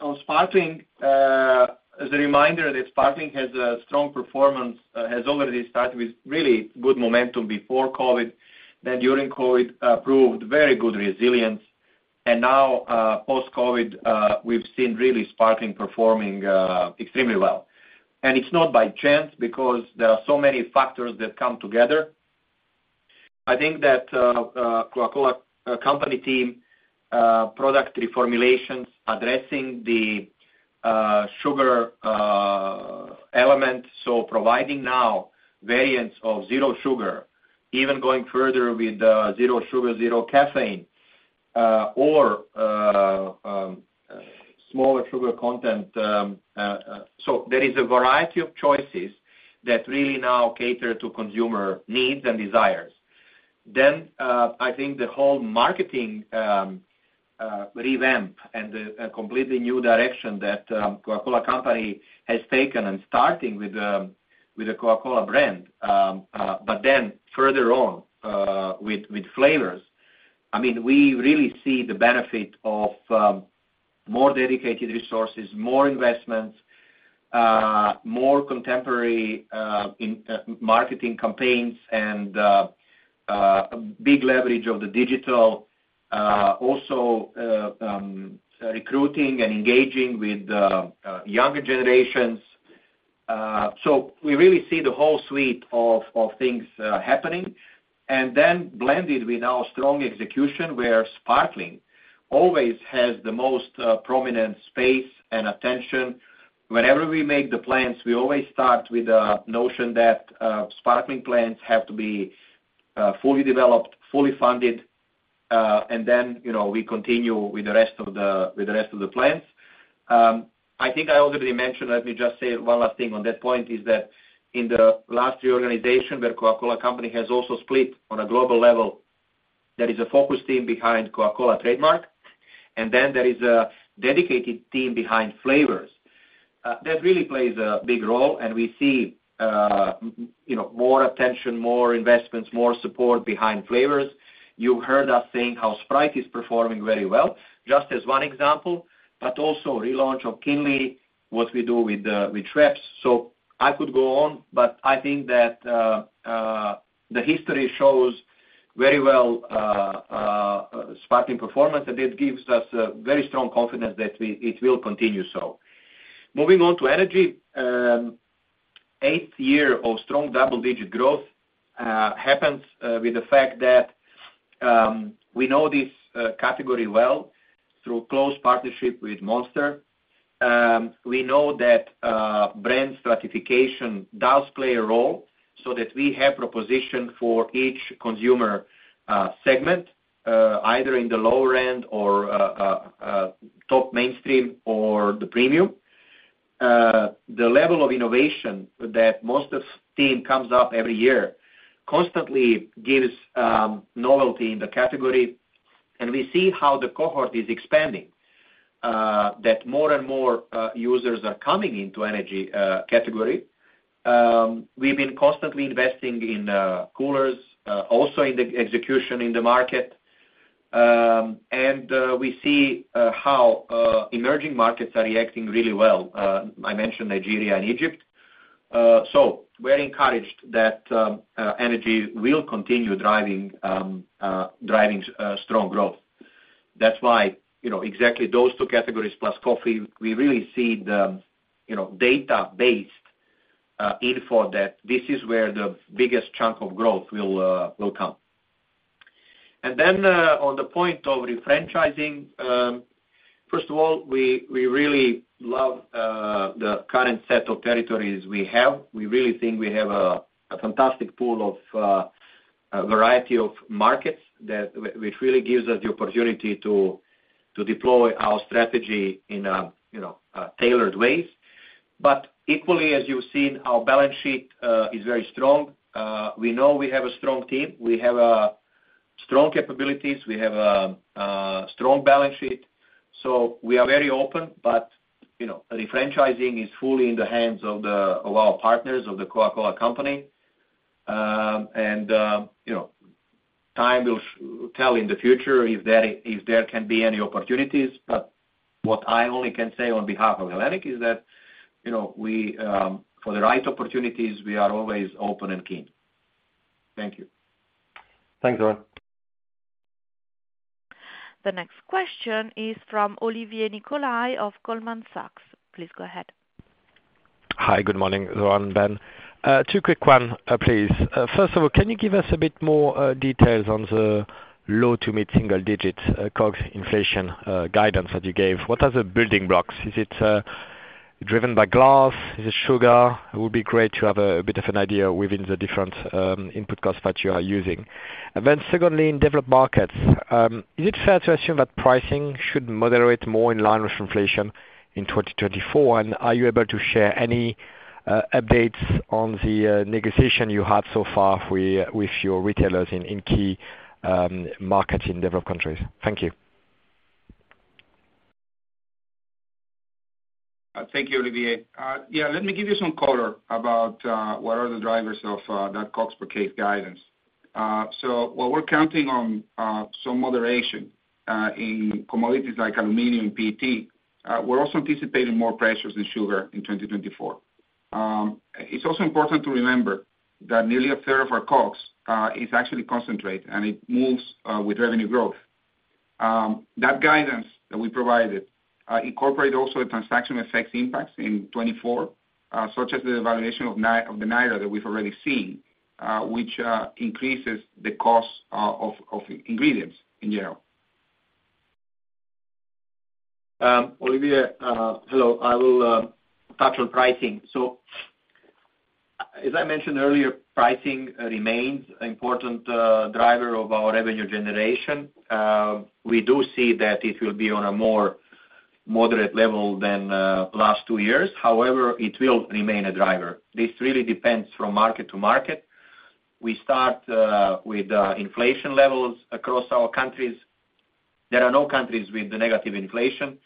on sparkling, as a reminder, that sparkling has a strong performance, has already started with really good momentum before COVID, then during COVID, proved very good resilience. And now, post-COVID, we've seen really sparkling performing extremely well. And it's not by chance because there are so many factors that come together. I think that Coca-Cola Company team, product reformulations, addressing the sugar element, so providing now variants of zero sugar, even going further with zero sugar, zero caffeine, or smaller sugar content so there is a variety of choices that really now cater to consumer needs and desires. Then I think the whole marketing revamp and the completely new direction that the Coca-Cola Company has taken and starting with the Coca-Cola brand, but then further on with flavors, I mean, we really see the benefit of more dedicated resources, more investments, more contemporary marketing campaigns, and big leverage of the digital, also recruiting and engaging with younger generations. So we really see the whole suite of things happening. And then blended with our strong execution, where sparkling always has the most prominent space and attention. Whenever we make the plans, we always start with the notion that sparkling plans have to be fully developed, fully funded. And then we continue with the rest of the plans. I think I already mentioned. Let me just say one last thing on that point. It is that in the last reorganization, where the Coca-Cola Company has also split on a global level, there is a focus team behind the Coca-Cola trademark. And then there is a dedicated team behind flavors. That really plays a big role. And we see more attention, more investments, more support behind flavors. You've heard us saying how Sprite is performing very well, just as one example, but also relaunch of Kinley, what we do with Schweppes. So I could go on. But I think that the history shows very well sparkling performance. And it gives us very strong confidence that it will continue so. Moving on to energy, eighth year of strong double-digit growth happens with the fact that we know this category well through close partnership with Monster. We know that brand stratification does play a role so that we have proposition for each consumer segment, either in the lower end or top mainstream or the premium. The level of innovation that Monster's team comes up every year constantly gives novelty in the category. And we see how the cohort is expanding, that more and more users are coming into energy category. We've been constantly investing in coolers, also in the execution in the market. And we see how emerging markets are reacting really well. I mentioned Nigeria and Egypt. So we're encouraged that energy will continue driving strong growth. That's why exactly those two categories plus coffee, we really see the database info that this is where the biggest chunk of growth will come. And then on the point of refranchising, first of all, we really love the current set of territories we have. We really think we have a fantastic pool of variety of markets, which really gives us the opportunity to deploy our strategy in tailored ways. But equally, as you've seen, our balance sheet is very strong. We know we have a strong team. We have strong capabilities. We have a strong balance sheet. So we are very open. But refranchising is fully in the hands of our partners, of the Coca-Cola Company. And time will tell in the future if there can be any opportunities. But what I only can say on behalf of Hellenic is that for the right opportunities, we are always open and keen. Thank you. Thanks, Zoran. The next question is from Olivier Nicolai of Goldman Sachs. Please go ahead. Hi. Good morning, Zoran, Ben. Two quick ones, please. First of all, can you give us a bit more details on the low- to mid-single-digit COGS inflation guidance that you gave? What are the building blocks? Is it driven by glass? Is it sugar? It would be great to have a bit of an idea within the different input costs that you are using. And then secondly, in developed markets, is it fair to assume that pricing should moderate more in line with inflation in 2024? And are you able to share any updates on the negotiation you had so far with your retailers in key markets in developed countries? Thank you. Thank you, Olivier. Yeah. Let me give you some color about what are the drivers of that COGS per case guidance. So while we're counting on some moderation in commodities like aluminum and PET, we're also anticipating more pressures in sugar in 2024. It's also important to remember that nearly a third of our COGS is actually concentrated. It moves with revenue growth. That guidance that we provided incorporated also the transactional effects impacts in 2024, such as the devaluation of the naira that we've already seen, which increases the cost of ingredients in general. Olivier, hello. I will touch on pricing. So as I mentioned earlier, pricing remains an important driver of our revenue generation. We do see that it will be on a more moderate level than last two years. However, it will remain a driver. This really depends from market to market. We start with inflation levels across our countries. There are no countries with negative inflation.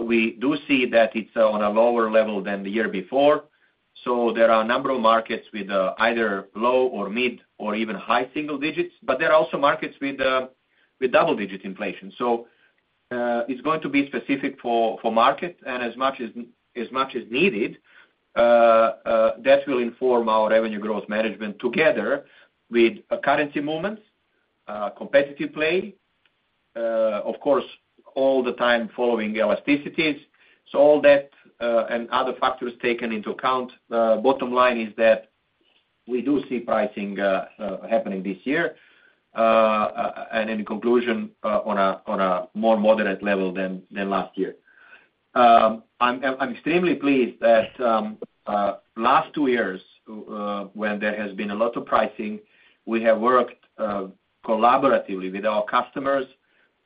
We do see that it's on a lower level than the year before. So there are a number of markets with either low or mid or even high single digits. But there are also markets with double-digit inflation. So it's going to be specific for market. And as much as needed, that will inform our revenue growth management together with currency movements, competitive play, of course, all the time following elasticities. So all that and other factors taken into account, bottom line is that we do see pricing happening this year. And in conclusion, on a more moderate level than last year. I'm extremely pleased that last two years, when there has been a lot of pricing, we have worked collaboratively with our customers.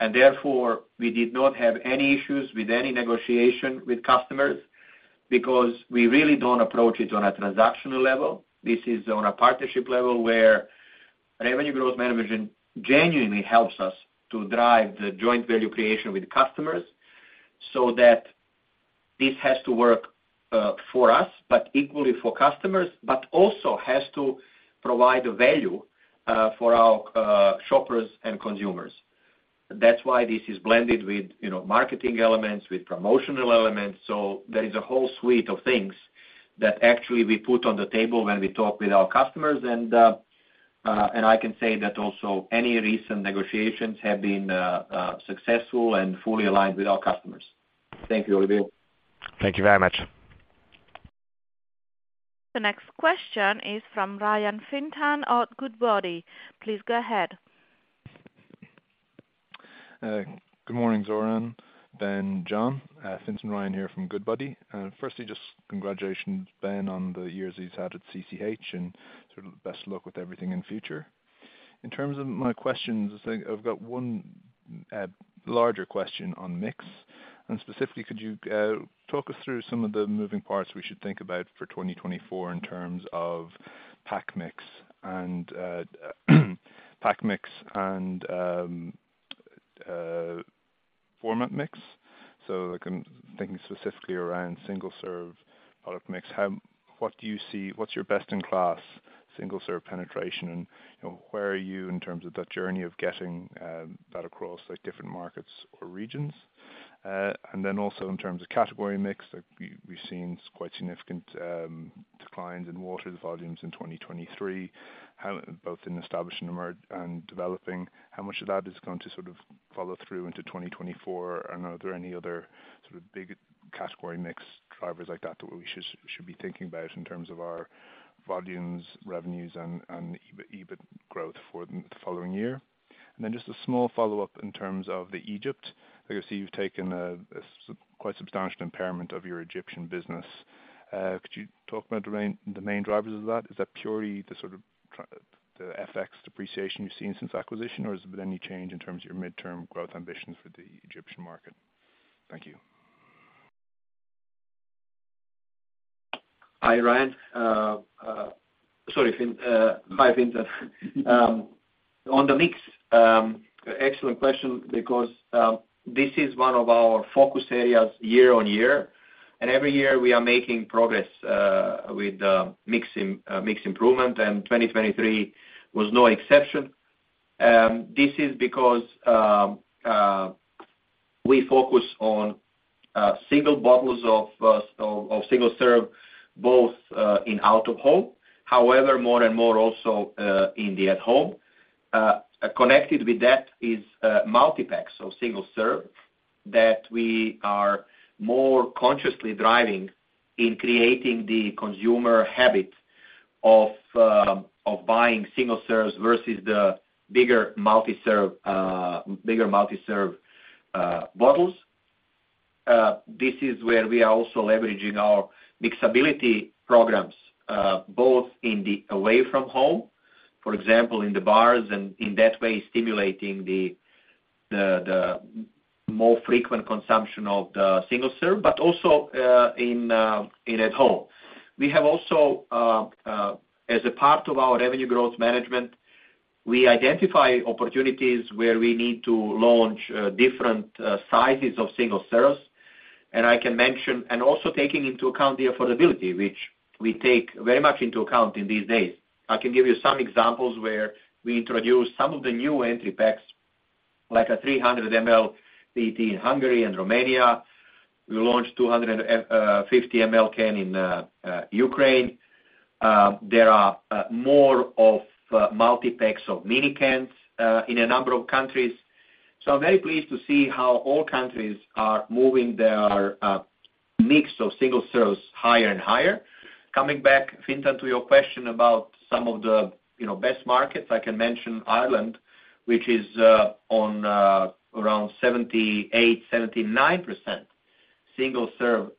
And therefore, we did not have any issues with any negotiation with customers because we really don't approach it on a transactional level. This is on a partnership level where revenue growth management genuinely helps us to drive the joint value creation with customers so that this has to work for us, but equally for customers, but also has to provide value for our shoppers and consumers. That's why this is blended with marketing elements, with promotional elements. So there is a whole suite of things that actually we put on the table when we talk with our customers. And I can say that also any recent negotiations have been successful and fully aligned with our customers. Thank you, Olivier. Thank you very much. The next question is from Fintan Ryan at Goodbody. Please go ahead. Good morning, Zoran, Ben and John. Fintan Ryan here from Goodbody. Firstly, just congratulations, Ben, on the years he's had at CCH and best of luck with everything in future. In terms of my questions, I've got one larger question on mix. And specifically, could you talk us through some of the moving parts we should think about for 2024 in terms of pack mix and format mix? So I'm thinking specifically around single serve product mix. What do you see? What's your best-in-class single serve penetration? And where are you in terms of that journey of getting that across different markets or regions? And then also in terms of category mix, we've seen quite significant declines in water volumes in 2023, both in established and developing. How much of that is going to sort of follow through into 2024? And are there any other sort of big category mix drivers like that that we should be thinking about in terms of our volumes, revenues, and EBIT growth for the following year? And then just a small follow-up in terms of Egypt. I see you've taken quite substantial impairment of your Egyptian business. Could you talk about the main drivers of that? Is that purely the sort of the FX depreciation you've seen since acquisition? Or has there been any change in terms of your midterm growth ambitions for the Egyptian market? Thank you. Hi, Ryan. Sorry, Fintan. Hi, Fintan. On the mix, excellent question because this is one of our focus areas year on year. And every year, we are making progress with mix improvement. And 2023 was no exception. This is because we focus on single bottles of single serve, both in out-of-home, however, more and more also in the at-home. Connected with that is multi-pack, so single serve, that we are more consciously driving in creating the consumer habit of buying single serves versus the bigger multi-serve bottles. This is where we are also leveraging our mixability programs, both in the away-from-home, for example, in the bars, and in that way, stimulating the more frequent consumption of the single serve, but also in at-home. We have also, as a part of our revenue growth management, we identify opportunities where we need to launch different sizes of single serves. And I can mention and also taking into account the affordability, which we take very much into account in these days. I can give you some examples where we introduce some of the new entry packs, like a 300-ml PET in Hungary and Romania. We launched 250-ml can in Ukraine. There are more of multi-packs, of mini cans, in a number of countries. So I'm very pleased to see how all countries are moving their mix of single serves higher and higher. Coming back, Fintan, to your question about some of the best markets, I can mention Ireland, which is on around 78%-79% single serve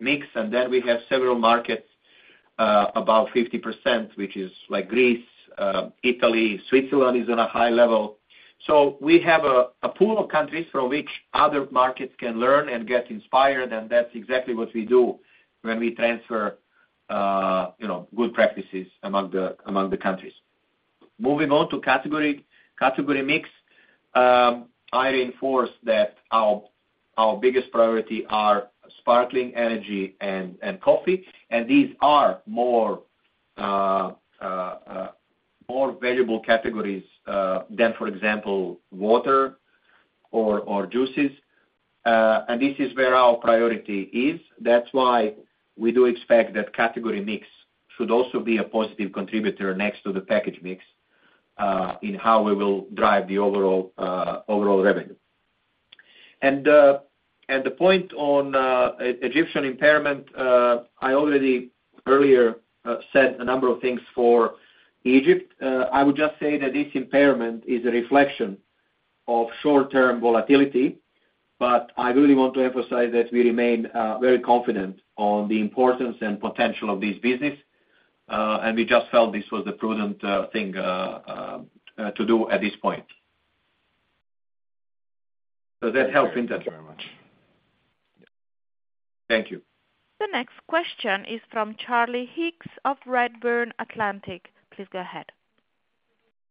mix. And then we have several markets about 50%, which is Greece, Italy. Switzerland is on a high level. So we have a pool of countries from which other markets can learn and get inspired. And that's exactly what we do when we transfer good practices among the countries. Moving on to category mix, I reinforce that our biggest priority are sparkling energy and coffee. And these are more valuable categories than, for example, water or juices. And this is where our priority is. That's why we do expect that category mix should also be a positive contributor next to the package mix in how we will drive the overall revenue. And the point on Egyptian impairment, I already earlier said a number of things for Egypt. I would just say that this impairment is a reflection of short-term volatility. But I really want to emphasize that we remain very confident on the importance and potential of this business. And we just felt this was the prudent thing to do at this point. Does that help, Fintan? Thank you very much. Thank you. The next question is from Charlie Higgs of Redburn Atlantic. Please go ahead.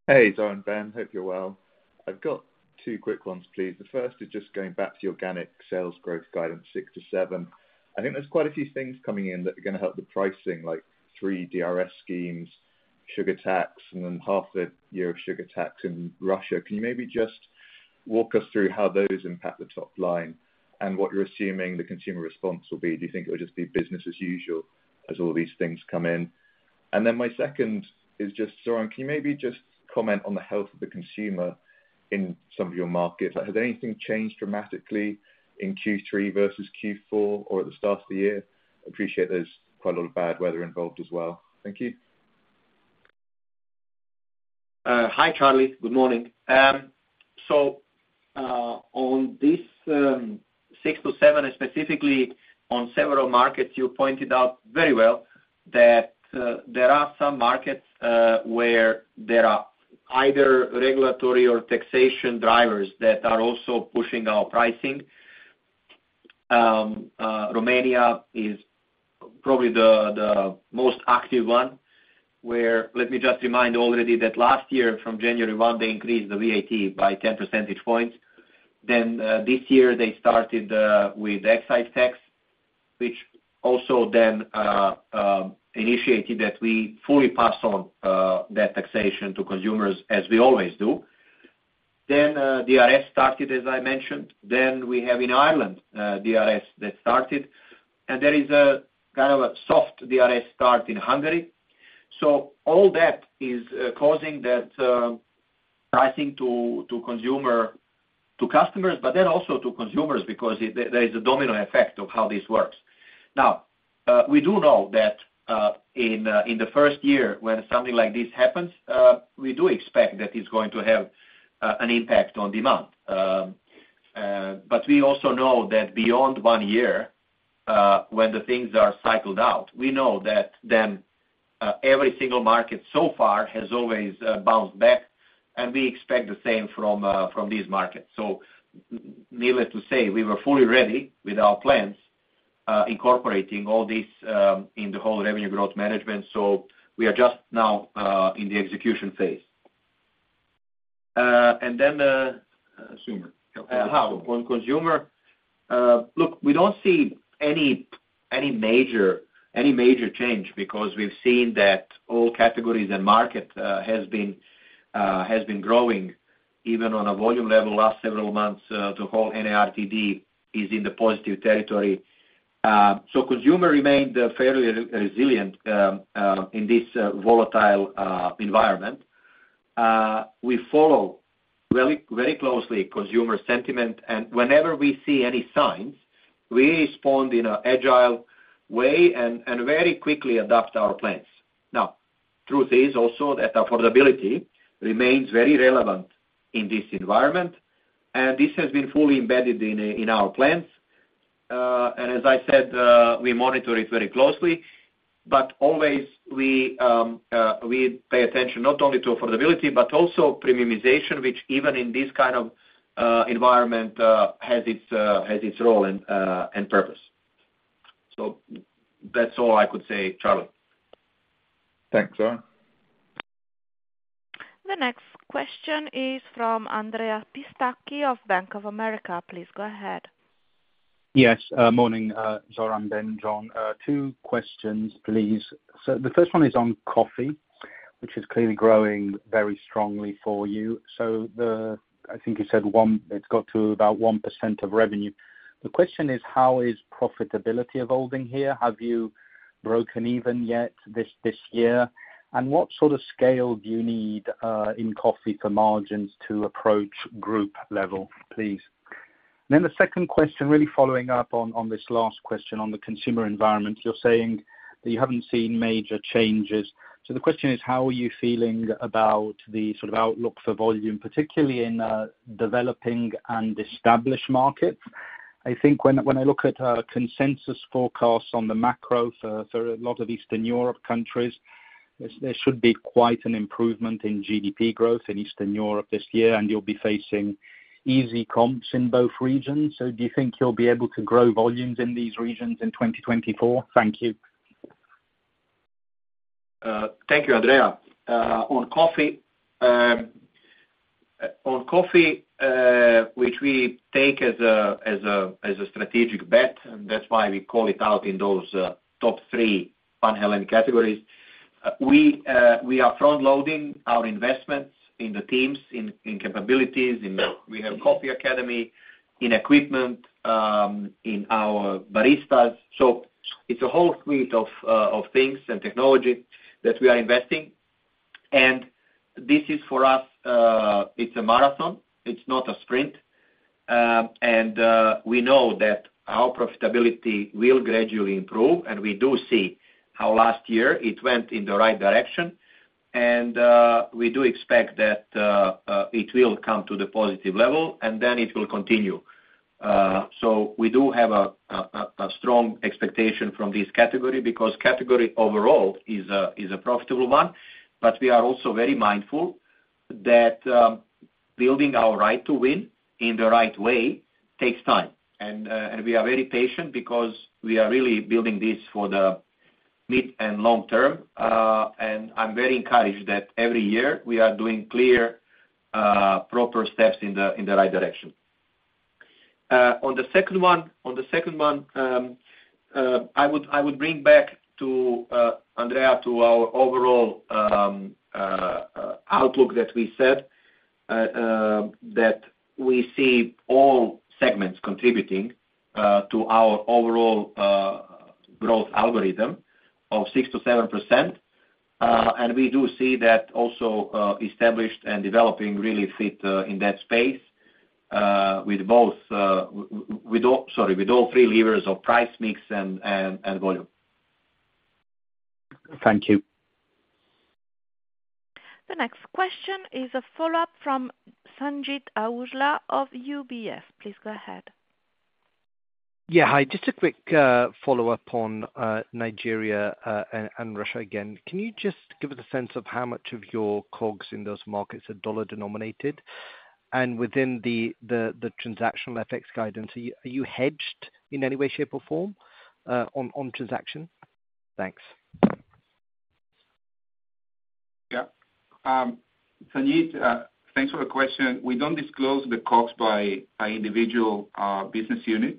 Hey, Zoran, Ben. Hope you're well. I've got two quick ones, please. The first is just going back to the organic sales growth guidance, 6%-7%. I think there's quite a few things coming in that are going to help the pricing, like 3 DRS schemes, sugar tax, and then half a year of sugar tax in Russia. Can you maybe just walk us through how those impact the top line and what you're assuming the consumer response will be? Do you think it will just be business as usual as all these things come in? And then my second is just, Zoran, can you maybe just comment on the health of the consumer in some of your markets? Has anything changed dramatically in Q3 versus Q4 or at the start of the year? I appreciate there's quite a lot of bad weather involved as well. Thank you. Hi, Charlie. Good morning. So on this 6-7, specifically on several markets, you pointed out very well that there are some markets where there are either regulatory or taxation drivers that are also pushing our pricing. Romania is probably the most active one, where let me just remind already that last year, from January 1, they increased the VAT by 10 percentage points. Then this year, they started with excise tax, which also then initiated that we fully pass on that taxation to consumers, as we always do. Then DRS started, as I mentioned. Then we have in Ireland, DRS that started. And there is a kind of a soft DRS start in Hungary. So all that is causing that pricing to customers, but then also to consumers because there is a domino effect of how this works. Now, we do know that in the first year, when something like this happens, we do expect that it's going to have an impact on demand. But we also know that beyond one year, when the things are cycled out, we know that then every single market so far has always bounced back. We expect the same from these markets. Needless to say, we were fully ready with our plans, incorporating all this in the whole revenue growth management. We are just now in the execution phase. Then the consumer. On consumer, look, we don't see any major change because we've seen that all categories and market has been growing, even on a volume level last several months. The whole NARTD is in the positive territory. Consumer remained fairly resilient in this volatile environment. We follow very closely consumer sentiment. Whenever we see any signs, we respond in an agile way and very quickly adapt our plans. Now, truth is also that affordability remains very relevant in this environment. And this has been fully embedded in our plans. And as I said, we monitor it very closely. But always, we pay attention not only to affordability but also premiumization, which even in this kind of environment has its role and purpose. So that's all I could say, Charlie. Thanks, Zoran. The next question is from Andrea Pistacchi of Bank of America. Please go ahead. Yes. Morning, Zoran, Ben, John. Two questions, please. So the first one is on coffee, which is clearly growing very strongly for you. So I think you said it's got to about 1% of revenue. The question is, how is profitability evolving here? Have you broken even yet this year? And what sort of scale do you need in coffee for margins to approach group level, please? Then the second question, really following up on this last question on the consumer environment, you're saying that you haven't seen major changes. So the question is, how are you feeling about the sort of outlook for volume, particularly in developing and established markets? I think when I look at consensus forecasts on the macro for a lot of Eastern Europe countries, there should be quite an improvement in GDP growth in Eastern Europe this year. And you'll be facing easy comps in both regions. So do you think you'll be able to grow volumes in these regions in 2024? Thank you. Thank you, Andrea. On coffee, which we take as a strategic bet, and that's why we call it out in those top three winning categories, we are front-loading our investments in the teams, in capabilities. We have Coffee Academy in equipment, in our baristas. So it's a whole suite of things and technology that we are investing. And this is for us, it's a marathon. It's not a sprint. And we know that our profitability will gradually improve. And we do see how last year it went in the right direction. And we do expect that it will come to the positive level. And then it will continue. So we do have a strong expectation from this category because category overall is a profitable one. But we are also very mindful that building our right to win in the right way takes time. And we are very patient because we are really building this for the mid and long term. And I'm very encouraged that every year, we are doing clear, proper steps in the right direction. On the second one, on the second one, I would bring back to Andrea, to our overall outlook that we said, that we see all segments contributing to our overall growth algorithm of 6%-7%. And we do see that also established and developing really fit in that space with both sorry, with all three levers of price mix and volume. Thank you. The next question is a follow-up from Sanjeet Aujla of UBS. Please go ahead. Yeah. Hi. Just a quick follow-up on Nigeria and Russia again. Can you just give us a sense of how much of your COGS in those markets are dollar-denominated? And within the transactional FX guidance, are you hedged in any way, shape, or form on transaction? Thanks. Yeah. Sanjeet, thanks for the question. We don't disclose the COGS by individual business unit.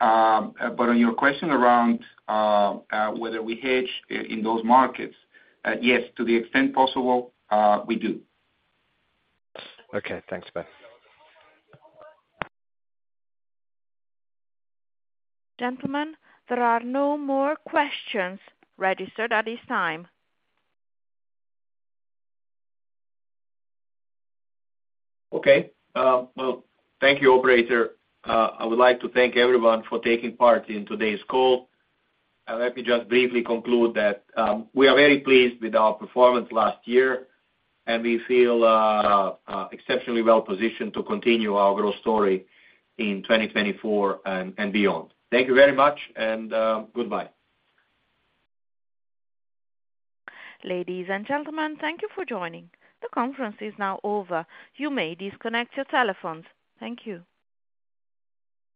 But on your question around whether we hedge in those markets, yes, to the extent possible, we do. Okay. Thanks, Ben. Gentlemen, there are no more questions registered at this time. Okay. Well, thank you, operator. I would like to thank everyone for taking part in today's call. I'll let me just briefly conclude that we are very pleased with our performance last year. And we feel exceptionally well-positioned to continue our growth story in 2024 and beyond. Thank you very much. And goodbye. Ladies and gentlemen, thank you for joining. The conference is now over. You may disconnect your telephones. Thank you.